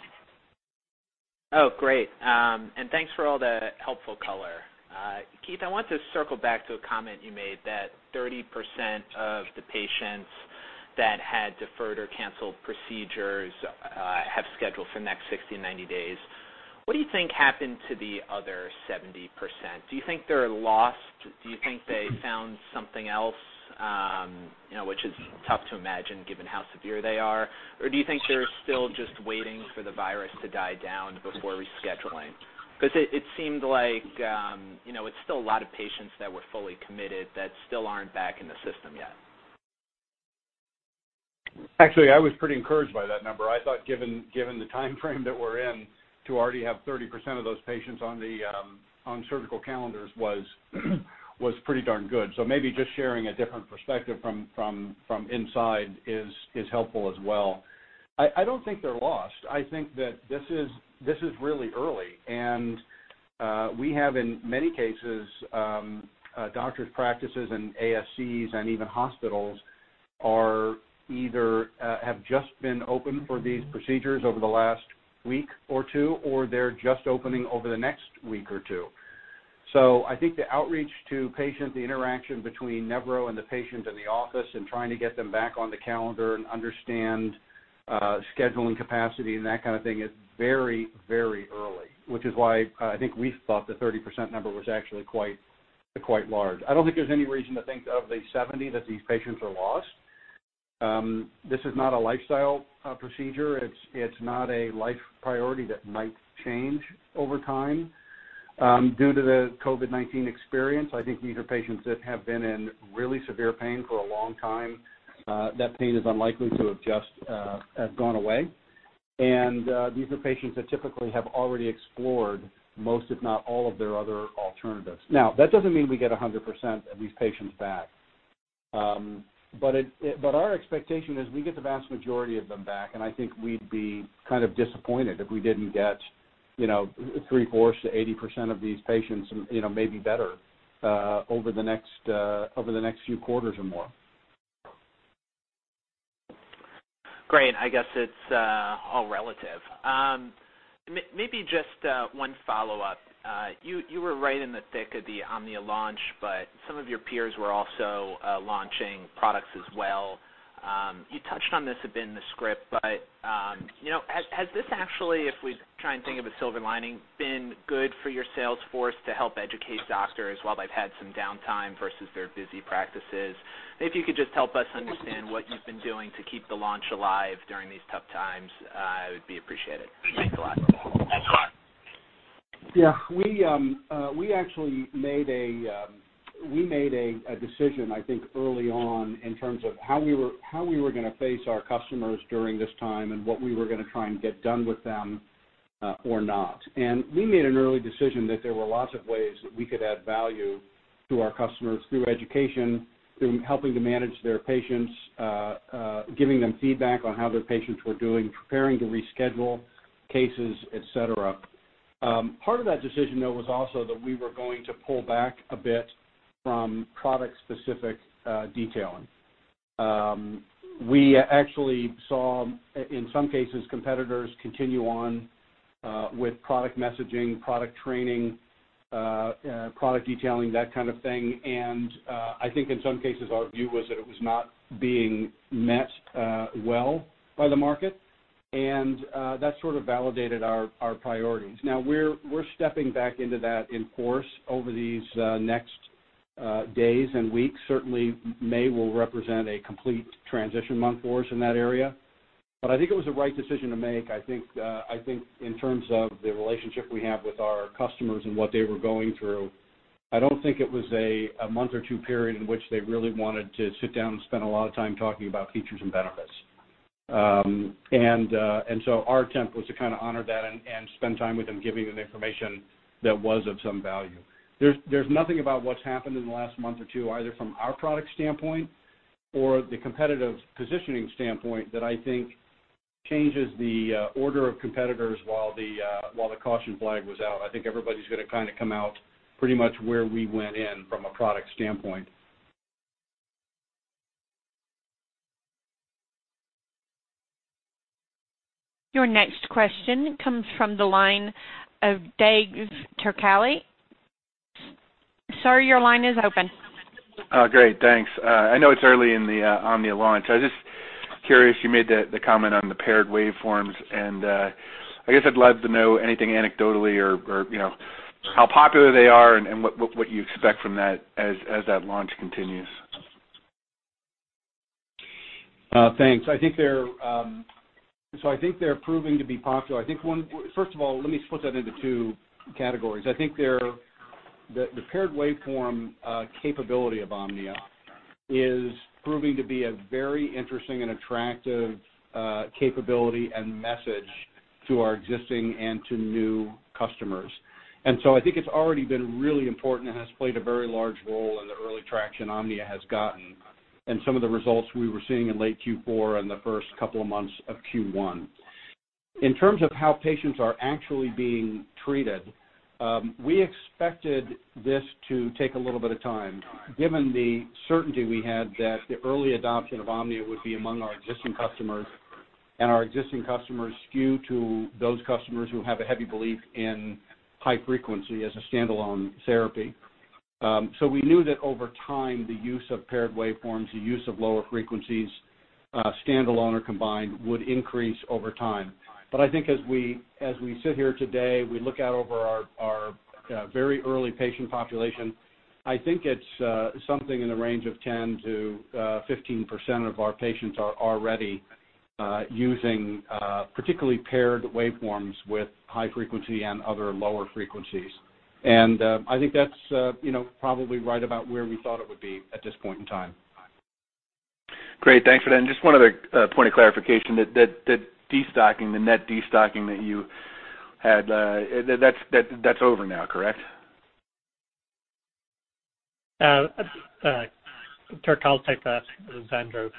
Oh, great. Thanks for all the helpful color. Keith, I want to circle back to a comment you made that 30% of the patients that had deferred or canceled procedures have scheduled for next 60-90 days. What do you think happened to the other 70%? Do you think they're lost? Do you think they found something else, which is tough to imagine given how severe they are? Or do you think they're still just waiting for the virus to die down before rescheduling? It seemed like it's still a lot of patients that were fully committed that still aren't back in the system yet. Actually, I was pretty encouraged by that number. I thought given the timeframe that we're in, to already have 30% of those patients on surgical calendars was pretty darn good. Maybe just sharing a different perspective from inside is helpful as well. I don't think they're lost. I think that this is really early, and we have, in many cases, doctors' practices and ASCs and even hospitals either have just been open for these procedures over the last week or two, or they're just opening over the next week or two. I think the outreach to patient, the interaction between Nevro and the patient in the office and trying to get them back on the calendar and understand scheduling capacity and that kind of thing is very early, which is why I think we thought the 30% number was actually quite large. I don't think there's any reason to think of the 70 that these patients are lost. This is not a lifestyle procedure. It's not a life priority that might change over time due to the COVID-19 experience. I think these are patients that have been in really severe pain for a long time. That pain is unlikely to have just gone away. These are patients that typically have already explored most, if not all, of their other alternatives. Now, that doesn't mean we get 100% of these patients back, but our expectation is we get the vast majority of them back, and I think we'd be kind of disappointed if we didn't get three-fourths to 80% of these patients, maybe better, over the next few quarters or more. Great. I guess it's all relative. Maybe just one follow-up. You were right in the thick of the Omnia launch, some of your peers were also launching products as well. You touched on this a bit in the script, has this actually, if we try and think of a silver lining, been good for your sales force to help educate doctors while they've had some downtime versus their busy practices? If you could just help us understand what you've been doing to keep the launch alive during these tough times, it would be appreciated. Thanks a lot. Yeah. We actually made a decision, I think, early on in terms of how we were going to face our customers during this time and what we were going to try and get done with them or not. We made an early decision that there were lots of ways that we could add value to our customers through education, through helping to manage their patients, giving them feedback on how their patients were doing, preparing to reschedule cases, et cetera. Part of that decision, though, was also that we were going to pull back a bit from product-specific detailing. We actually saw, in some cases, competitors continue on with product messaging, product training, product detailing, that kind of thing, and I think in some cases, our view was that it was not being met well by the market, and that sort of validated our priorities. Now, we're stepping back into that in course over these next days and weeks. Certainly, May will represent a complete transition month for us in that area. I think it was the right decision to make. I think in terms of the relationship we have with our customers and what they were going through, I don't think it was a month or two period in which they really wanted to sit down and spend a lot of time talking about features and benefits. Our attempt was to kind of honor that and spend time with them giving them information that was of some value. There's nothing about what's happened in the last month or two, either from our product standpoint or the competitive positioning standpoint, that I think changes the order of competitors while the caution flag was out. I think everybody's going to kind of come out pretty much where we went in from a product standpoint. Your next question comes from the line of Doug Turcali. Sir, your line is open. Oh, great. Thanks. I know it's early in the Omnia launch. I was just curious, you made the comment on the paired waveforms, and I guess I'd love to know anything anecdotally or how popular they are and what you expect from that as that launch continues. Thanks. I think they're proving to be popular. First of all, let me split that into two categories. I think the paired waveform capability of Omnia is proving to be a very interesting and attractive capability and message to our existing and to new customers. I think it's already been really important and has played a very large role in the early traction Omnia has gotten, and some of the results we were seeing in late Q4 and the first couple of months of Q1. In terms of how patients are actually being treated, we expected this to take a little bit of time, given the certainty we had that the early adoption of Omnia would be among our existing customers, and our existing customers skew to those customers who have a heavy belief in high frequency as a standalone therapy. We knew that over time, the use of paired waveforms, the use of lower frequencies, standalone or combined, would increase over time. I think as we sit here today, we look out over our very early patient population, I think it's something in the range of 10%-15% of our patients are already using, particularly paired waveforms with high frequency and other lower frequencies. I think that's probably right about where we thought it would be at this point in time. Great. Thanks for that. Just one other point of clarification, the net destocking that you had, that's over now, correct? Turcali, I'll take that. This is Andrew.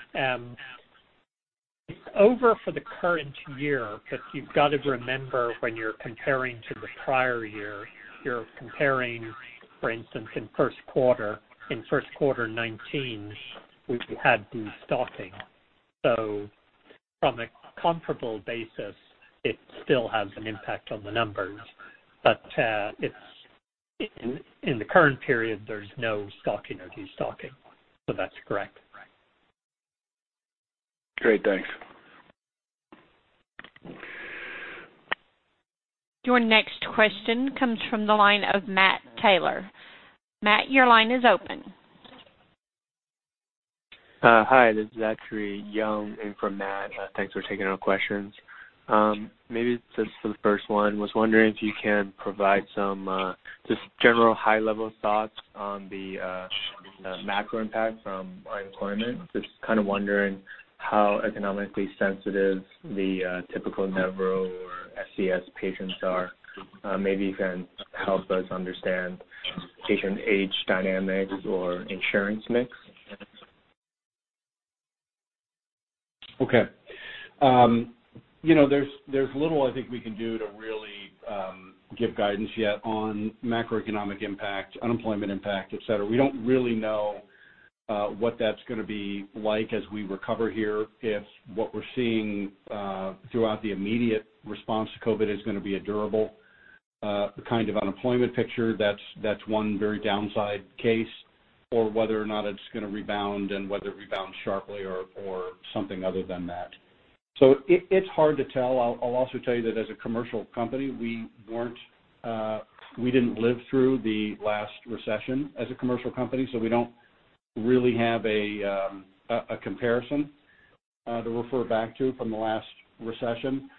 It's over for the current year. You've got to remember when you're comparing to the prior year, you're comparing, for instance, in first quarter 2019, we had destocking. From a comparable basis, it still has an impact on the numbers. In the current period, there's no stocking or destocking. That's correct. Great. Thanks. Your next question comes from the line of Matt Taylor. Matt, your line is open. Hi, this is actually Xuyang in for Matt. Thanks for taking our questions. Maybe just for the first one, was wondering if you can provide some just general high-level thoughts on the macro impact from unemployment. Just kind of wondering how economically sensitive the typical Nevro or SCS patients are. Maybe you can help us understand patient age dynamics or insurance mix. Okay. There's little I think we can do to really give guidance yet on macroeconomic impact, unemployment impact, et cetera. We don't really know what that's going to be like as we recover here. If what we're seeing throughout the immediate response to COVID is going to be a durable kind of unemployment picture, that's one very downside case, or whether or not it's going to rebound and whether it rebounds sharply or something other than that. It's hard to tell. I'll also tell you that as a commercial company, we didn't live through the last recession as a commercial company, so we don't really have a comparison to refer back to from the last recession.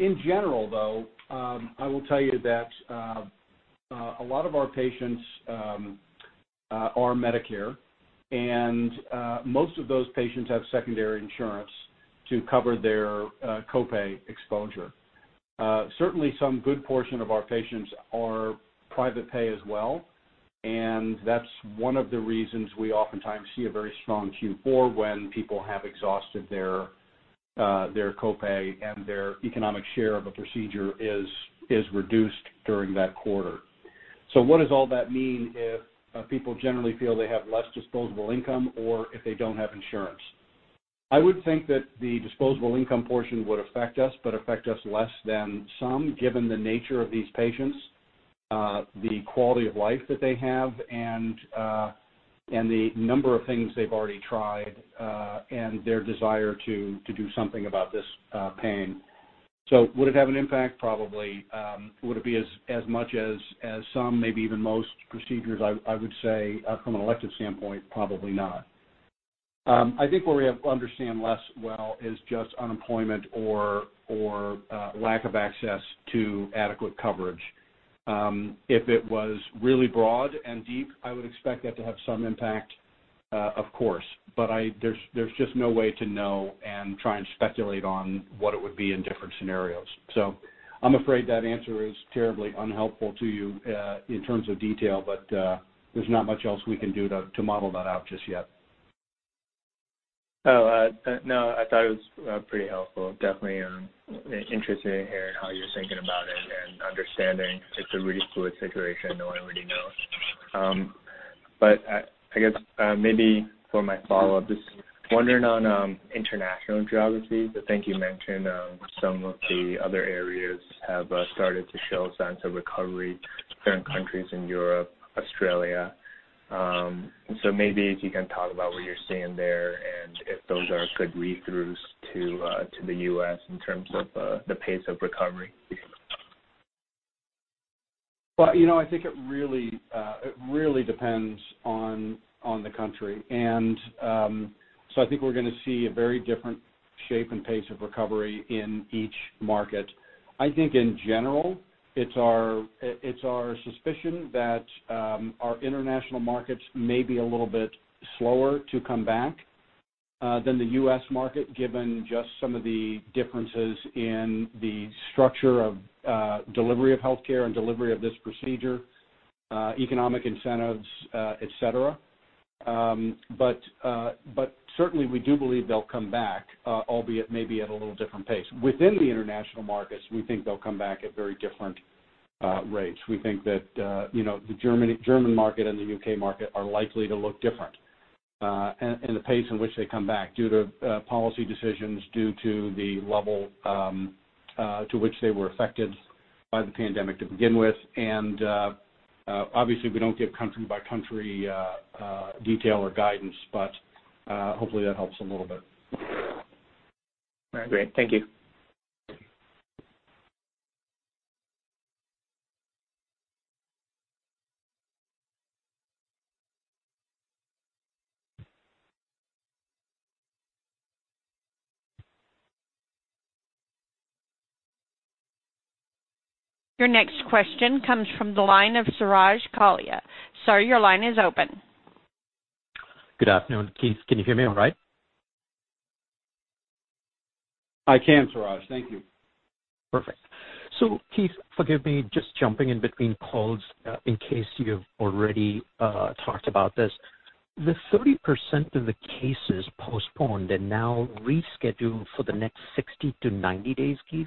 In general, though, I will tell you that a lot of our patients are Medicare, and most of those patients have secondary insurance to cover their copay exposure. Certainly, some good portion of our patients are private pay as well. That's one of the reasons we oftentimes see a very strong Q4 when people have exhausted their copay and their economic share of a procedure is reduced during that quarter. What does all that mean if people generally feel they have less disposable income or if they don't have insurance? I would think that the disposable income portion would affect us, but affect us less than some, given the nature of these patients, the quality of life that they have, and the number of things they've already tried, and their desire to do something about this pain. Would it have an impact? Probably. Would it be as much as some, maybe even most procedures? I would say from an elective standpoint, probably not. I think where we understand less well is just unemployment or lack of access to adequate coverage. If it was really broad and deep, I would expect that to have some impact, of course. There's just no way to know and try and speculate on what it would be in different scenarios. I'm afraid that answer is terribly unhelpful to you in terms of detail, but there's not much else we can do to model that out just yet. Oh, no, I thought it was pretty helpful, definitely, and interested in hearing how you're thinking about it and understanding it's a really fluid situation. No one really knows. I guess maybe for my follow-up, just wondering on international geographies. I think you mentioned some of the other areas have started to show signs of recovery, certain countries in Europe, Australia. Maybe if you can talk about what you're seeing there and if those are good read-throughs to the U.S. in terms of the pace of recovery. Well, I think it really depends on the country. I think we're going to see a very different shape and pace of recovery in each market. I think in general, it's our suspicion that our international markets may be a little bit slower to come back than the U.S. market, given just some of the differences in the structure of delivery of healthcare and delivery of this procedure, economic incentives, et cetera. Certainly, we do believe they'll come back, albeit maybe at a little different pace. Within the international markets, we think they'll come back at very different rates. We think that the German market and the U.K. market are likely to look different in the pace in which they come back due to policy decisions, due to the level to which they were affected by the pandemic to begin with. Obviously we don't give country by country detail or guidance, but hopefully that helps a little bit. Great. Thank you. Your next question comes from the line of Suraj Kalia. Sir, your line is open. Good afternoon, Keith. Can you hear me all right? I can, Suraj. Thank you. Perfect. Keith, forgive me just jumping in between calls, in case you've already talked about this. The 30% of the cases postponed and now rescheduled for the next 60-90 days, Keith,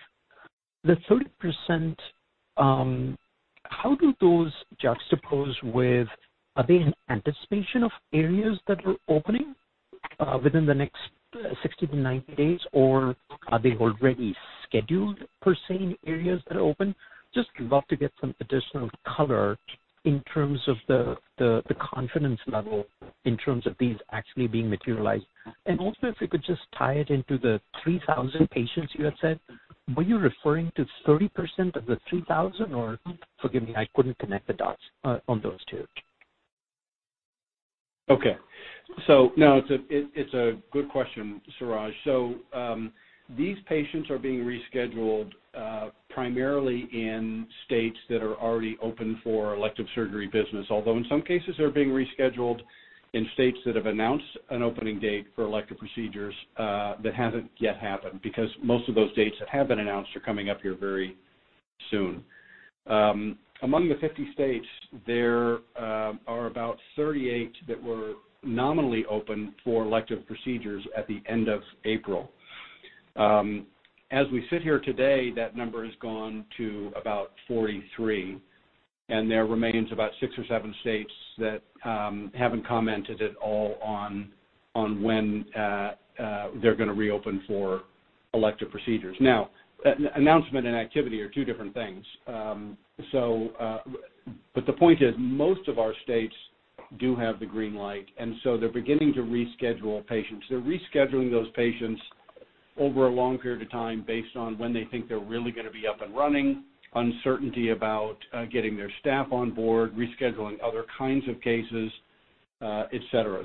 the 30%, how do those juxtapose with, are they in anticipation of areas that are opening within the next 60-90 days, or are they already scheduled, per se, in areas that are open? Just love to get some additional color in terms of the confidence level in terms of these actually being materialized. Also if you could just tie it into the 3,000 patients you had said. Were you referring to 30% of the 3,000, or forgive me, I couldn't connect the dots on those two. Okay. No, it's a good question, Suraj. These patients are being rescheduled primarily in states that are already open for elective surgery business. Although in some cases, they're being rescheduled in states that have announced an opening date for elective procedures, that hasn't yet happened, because most of those dates that have been announced are coming up here very soon. Among the 50 states, there are about 38 that were nominally open for elective procedures at the end of April. As we sit here today, that number has gone to about 43, and there remains about six or seven states that haven't commented at all on when they're going to reopen for elective procedures. Now, announcement and activity are two different things. The point is, most of our states do have the green light, and so they're beginning to reschedule patients. They're rescheduling those patients over a long period of time based on when they think they're really going to be up and running, uncertainty about getting their staff on board, rescheduling other kinds of cases, et cetera.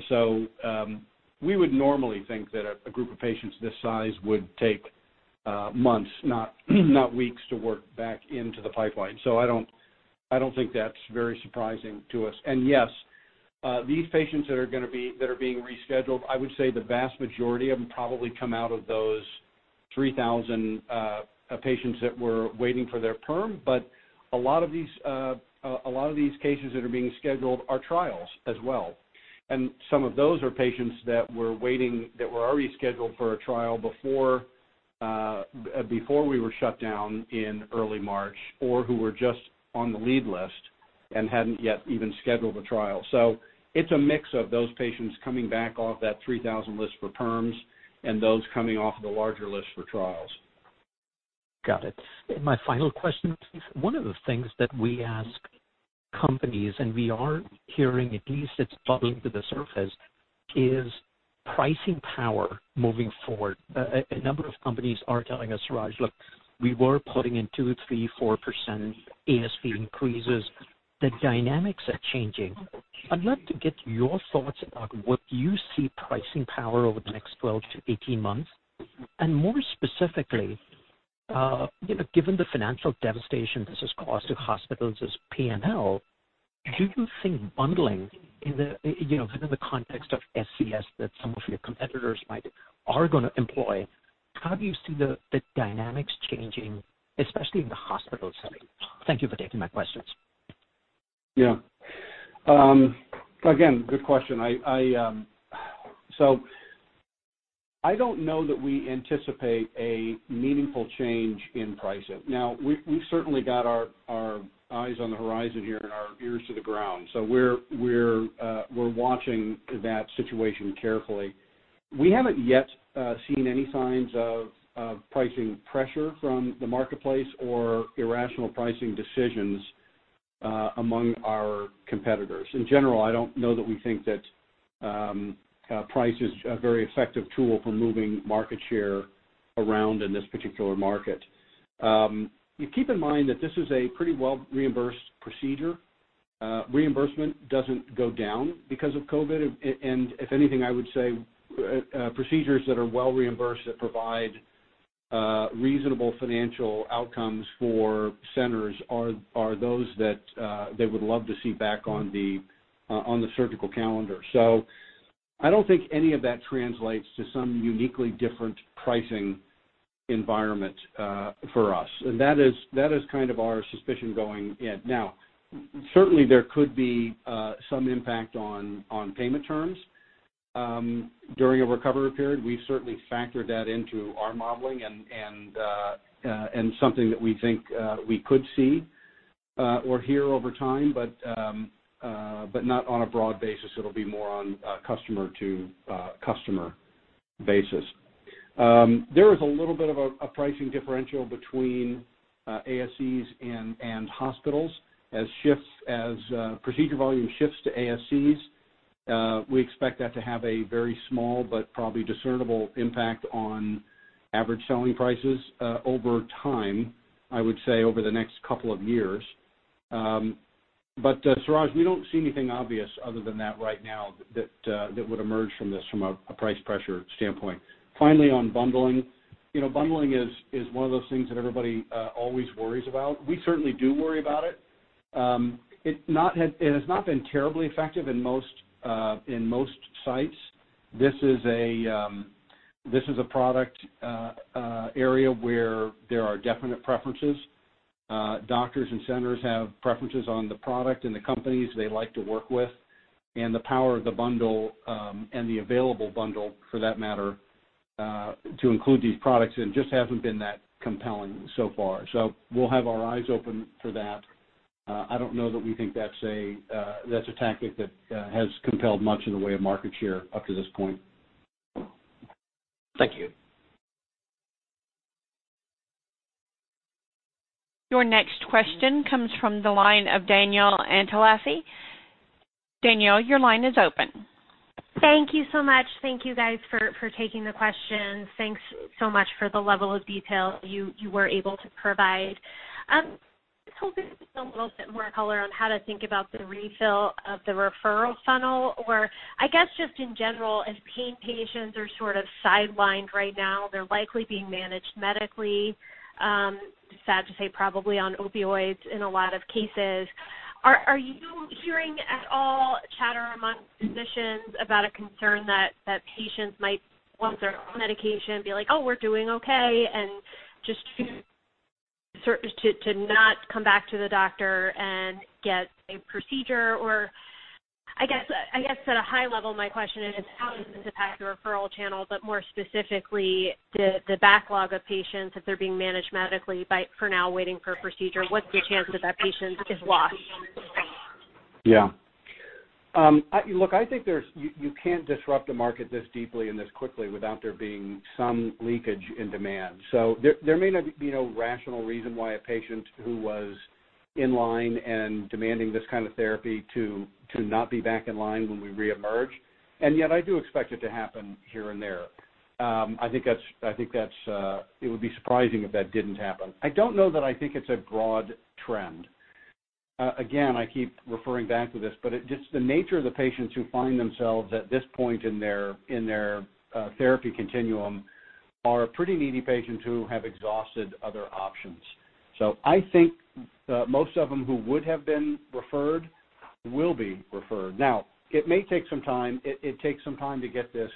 We would normally think that a group of patients this size would take months, not weeks to work back into the pipeline. I don't think that's very surprising to us. Yes, these patients that are being rescheduled, I would say the vast majority of them probably come out of those 3,000 patients that were waiting for their perm. A lot of these cases that are being scheduled are trials as well, and some of those are patients that were already scheduled for a trial before we were shut down in early March, or who were just on the lead list and hadn't yet even scheduled a trial. It's a mix of those patients coming back off that 3,000 list for perms and those coming off of the larger list for trials. Got it. My final question, Keith. One of the things that we ask companies and we are hearing, at least it's bubbling to the surface, is pricing power moving forward. A number of companies are telling us, "Suraj, look, we were putting in 2%, 3%, 4% ASP increases." The dynamics are changing. I'd love to get your thoughts about what you see pricing power over the next 12-18 months. More specifically, given the financial devastation this has caused to hospitals' P&L, do you think bundling in the context of SCS that some of your competitors are going to employ, how do you see the dynamics changing, especially in the hospital setting? Thank you for taking my questions. Yeah. Again, good question. I don't know that we anticipate a meaningful change in pricing. We've certainly got our eyes on the horizon here and our ears to the ground, so we're watching that situation carefully. We haven't yet seen any signs of pricing pressure from the marketplace or irrational pricing decisions among our competitors. In general, I don't know that we think that price is a very effective tool for moving market share around in this particular market. You keep in mind that this is a pretty well-reimbursed procedure. Reimbursement doesn't go down because of COVID, if anything, I would say procedures that are well reimbursed that provide reasonable financial outcomes for centers are those that they would love to see back on the surgical calendar. I don't think any of that translates to some uniquely different pricing environment for us. That is our suspicion going in. Now, certainly there could be some impact on payment terms during a recovery period. We've certainly factored that into our modeling and something that we think we could see or hear over time, but not on a broad basis. It'll be more on a customer-to-customer basis. There is a little bit of a pricing differential between ASCs and hospitals as procedure volume shifts to ASCs. We expect that to have a very small but probably discernible impact on average selling prices over time, I would say over the next couple of years. Suraj, we don't see anything obvious other than that right now that would emerge from this from a price pressure standpoint. Finally, on bundling. Bundling is one of those things that everybody always worries about. We certainly do worry about it. It has not been terribly effective in most sites. This is a product area where there are definite preferences. Doctors and centers have preferences on the product and the companies they like to work with, and the power of the bundle, and the available bundle for that matter, to include these products just hasn't been that compelling so far. We'll have our eyes open for that. I don't know that we think that's a tactic that has compelled much in the way of market share up to this point. Thank you. Your next question comes from the line of Danielle Antalffy. Danielle, your line is open. Thank you so much. Thank you guys for taking the questions. Thanks so much for the level of detail you were able to provide. I was hoping to get a little bit more color on how to think about the refill of the referral funnel, or I guess just in general, as pain patients are sort of sidelined right now, they're likely being managed medically, sad to say, probably on opioids in a lot of cases. Are you hearing at all chatter amongst physicians about a concern that patients might, once they're on medication, be like, "Oh, we're doing okay," and just to not come back to the doctor and get a procedure? I guess at a high level, my question is how does this impact the referral channel? More specifically, the backlog of patients, if they're being managed medically for now, waiting for a procedure, what's the chance of that patient is lost? Yeah. Look, I think you can't disrupt a market this deeply and this quickly without there being some leakage in demand. There may not be no rational reason why a patient who was in line and demanding this kind of therapy to not be back in line when we reemerge, and yet I do expect it to happen here and there. I think it would be surprising if that didn't happen. I don't know that I think it's a broad trend. Again, I keep referring back to this, but just the nature of the patients who find themselves at this point in their therapy continuum are pretty needy patients who have exhausted other options. I think most of them who would have been referred will be referred. Now, it may take some time. It takes some time to get this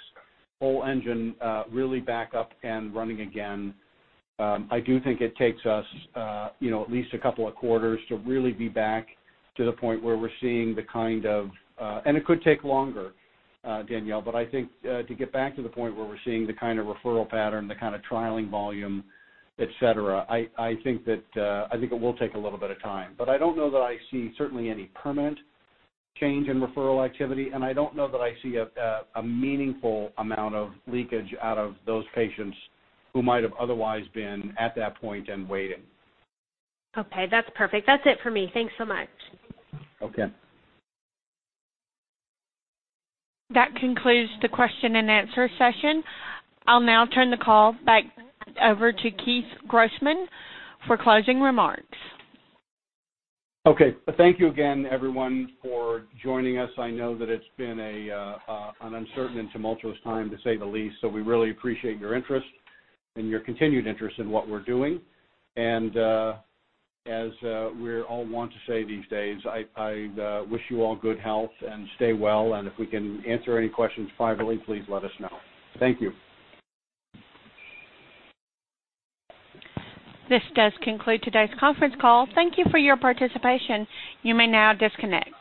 whole engine really back up and running again. I do think it takes us at least a couple of quarters to really be back to the point where we're seeing, and it could take longer, Danielle. I think to get back to the point where we're seeing the kind of referral pattern, the kind of trialing volume, et cetera, I think it will take a little bit of time. I don't know that I see certainly any permanent change in referral activity, and I don't know that I see a meaningful amount of leakage out of those patients who might have otherwise been at that point and waiting. Okay, that's perfect. That's it for me. Thanks so much. Okay. That concludes the question and answer session. I'll now turn the call back over to Keith Grossman for closing remarks. Okay. Thank you again, everyone, for joining us. I know that it's been an uncertain and tumultuous time, to say the least. We really appreciate your interest and your continued interest in what we're doing. As we all want to say these days, I wish you all good health and stay well. If we can answer any questions privately, please let us know. Thank you. This does conclude today's conference call. Thank you for your participation. You may now disconnect.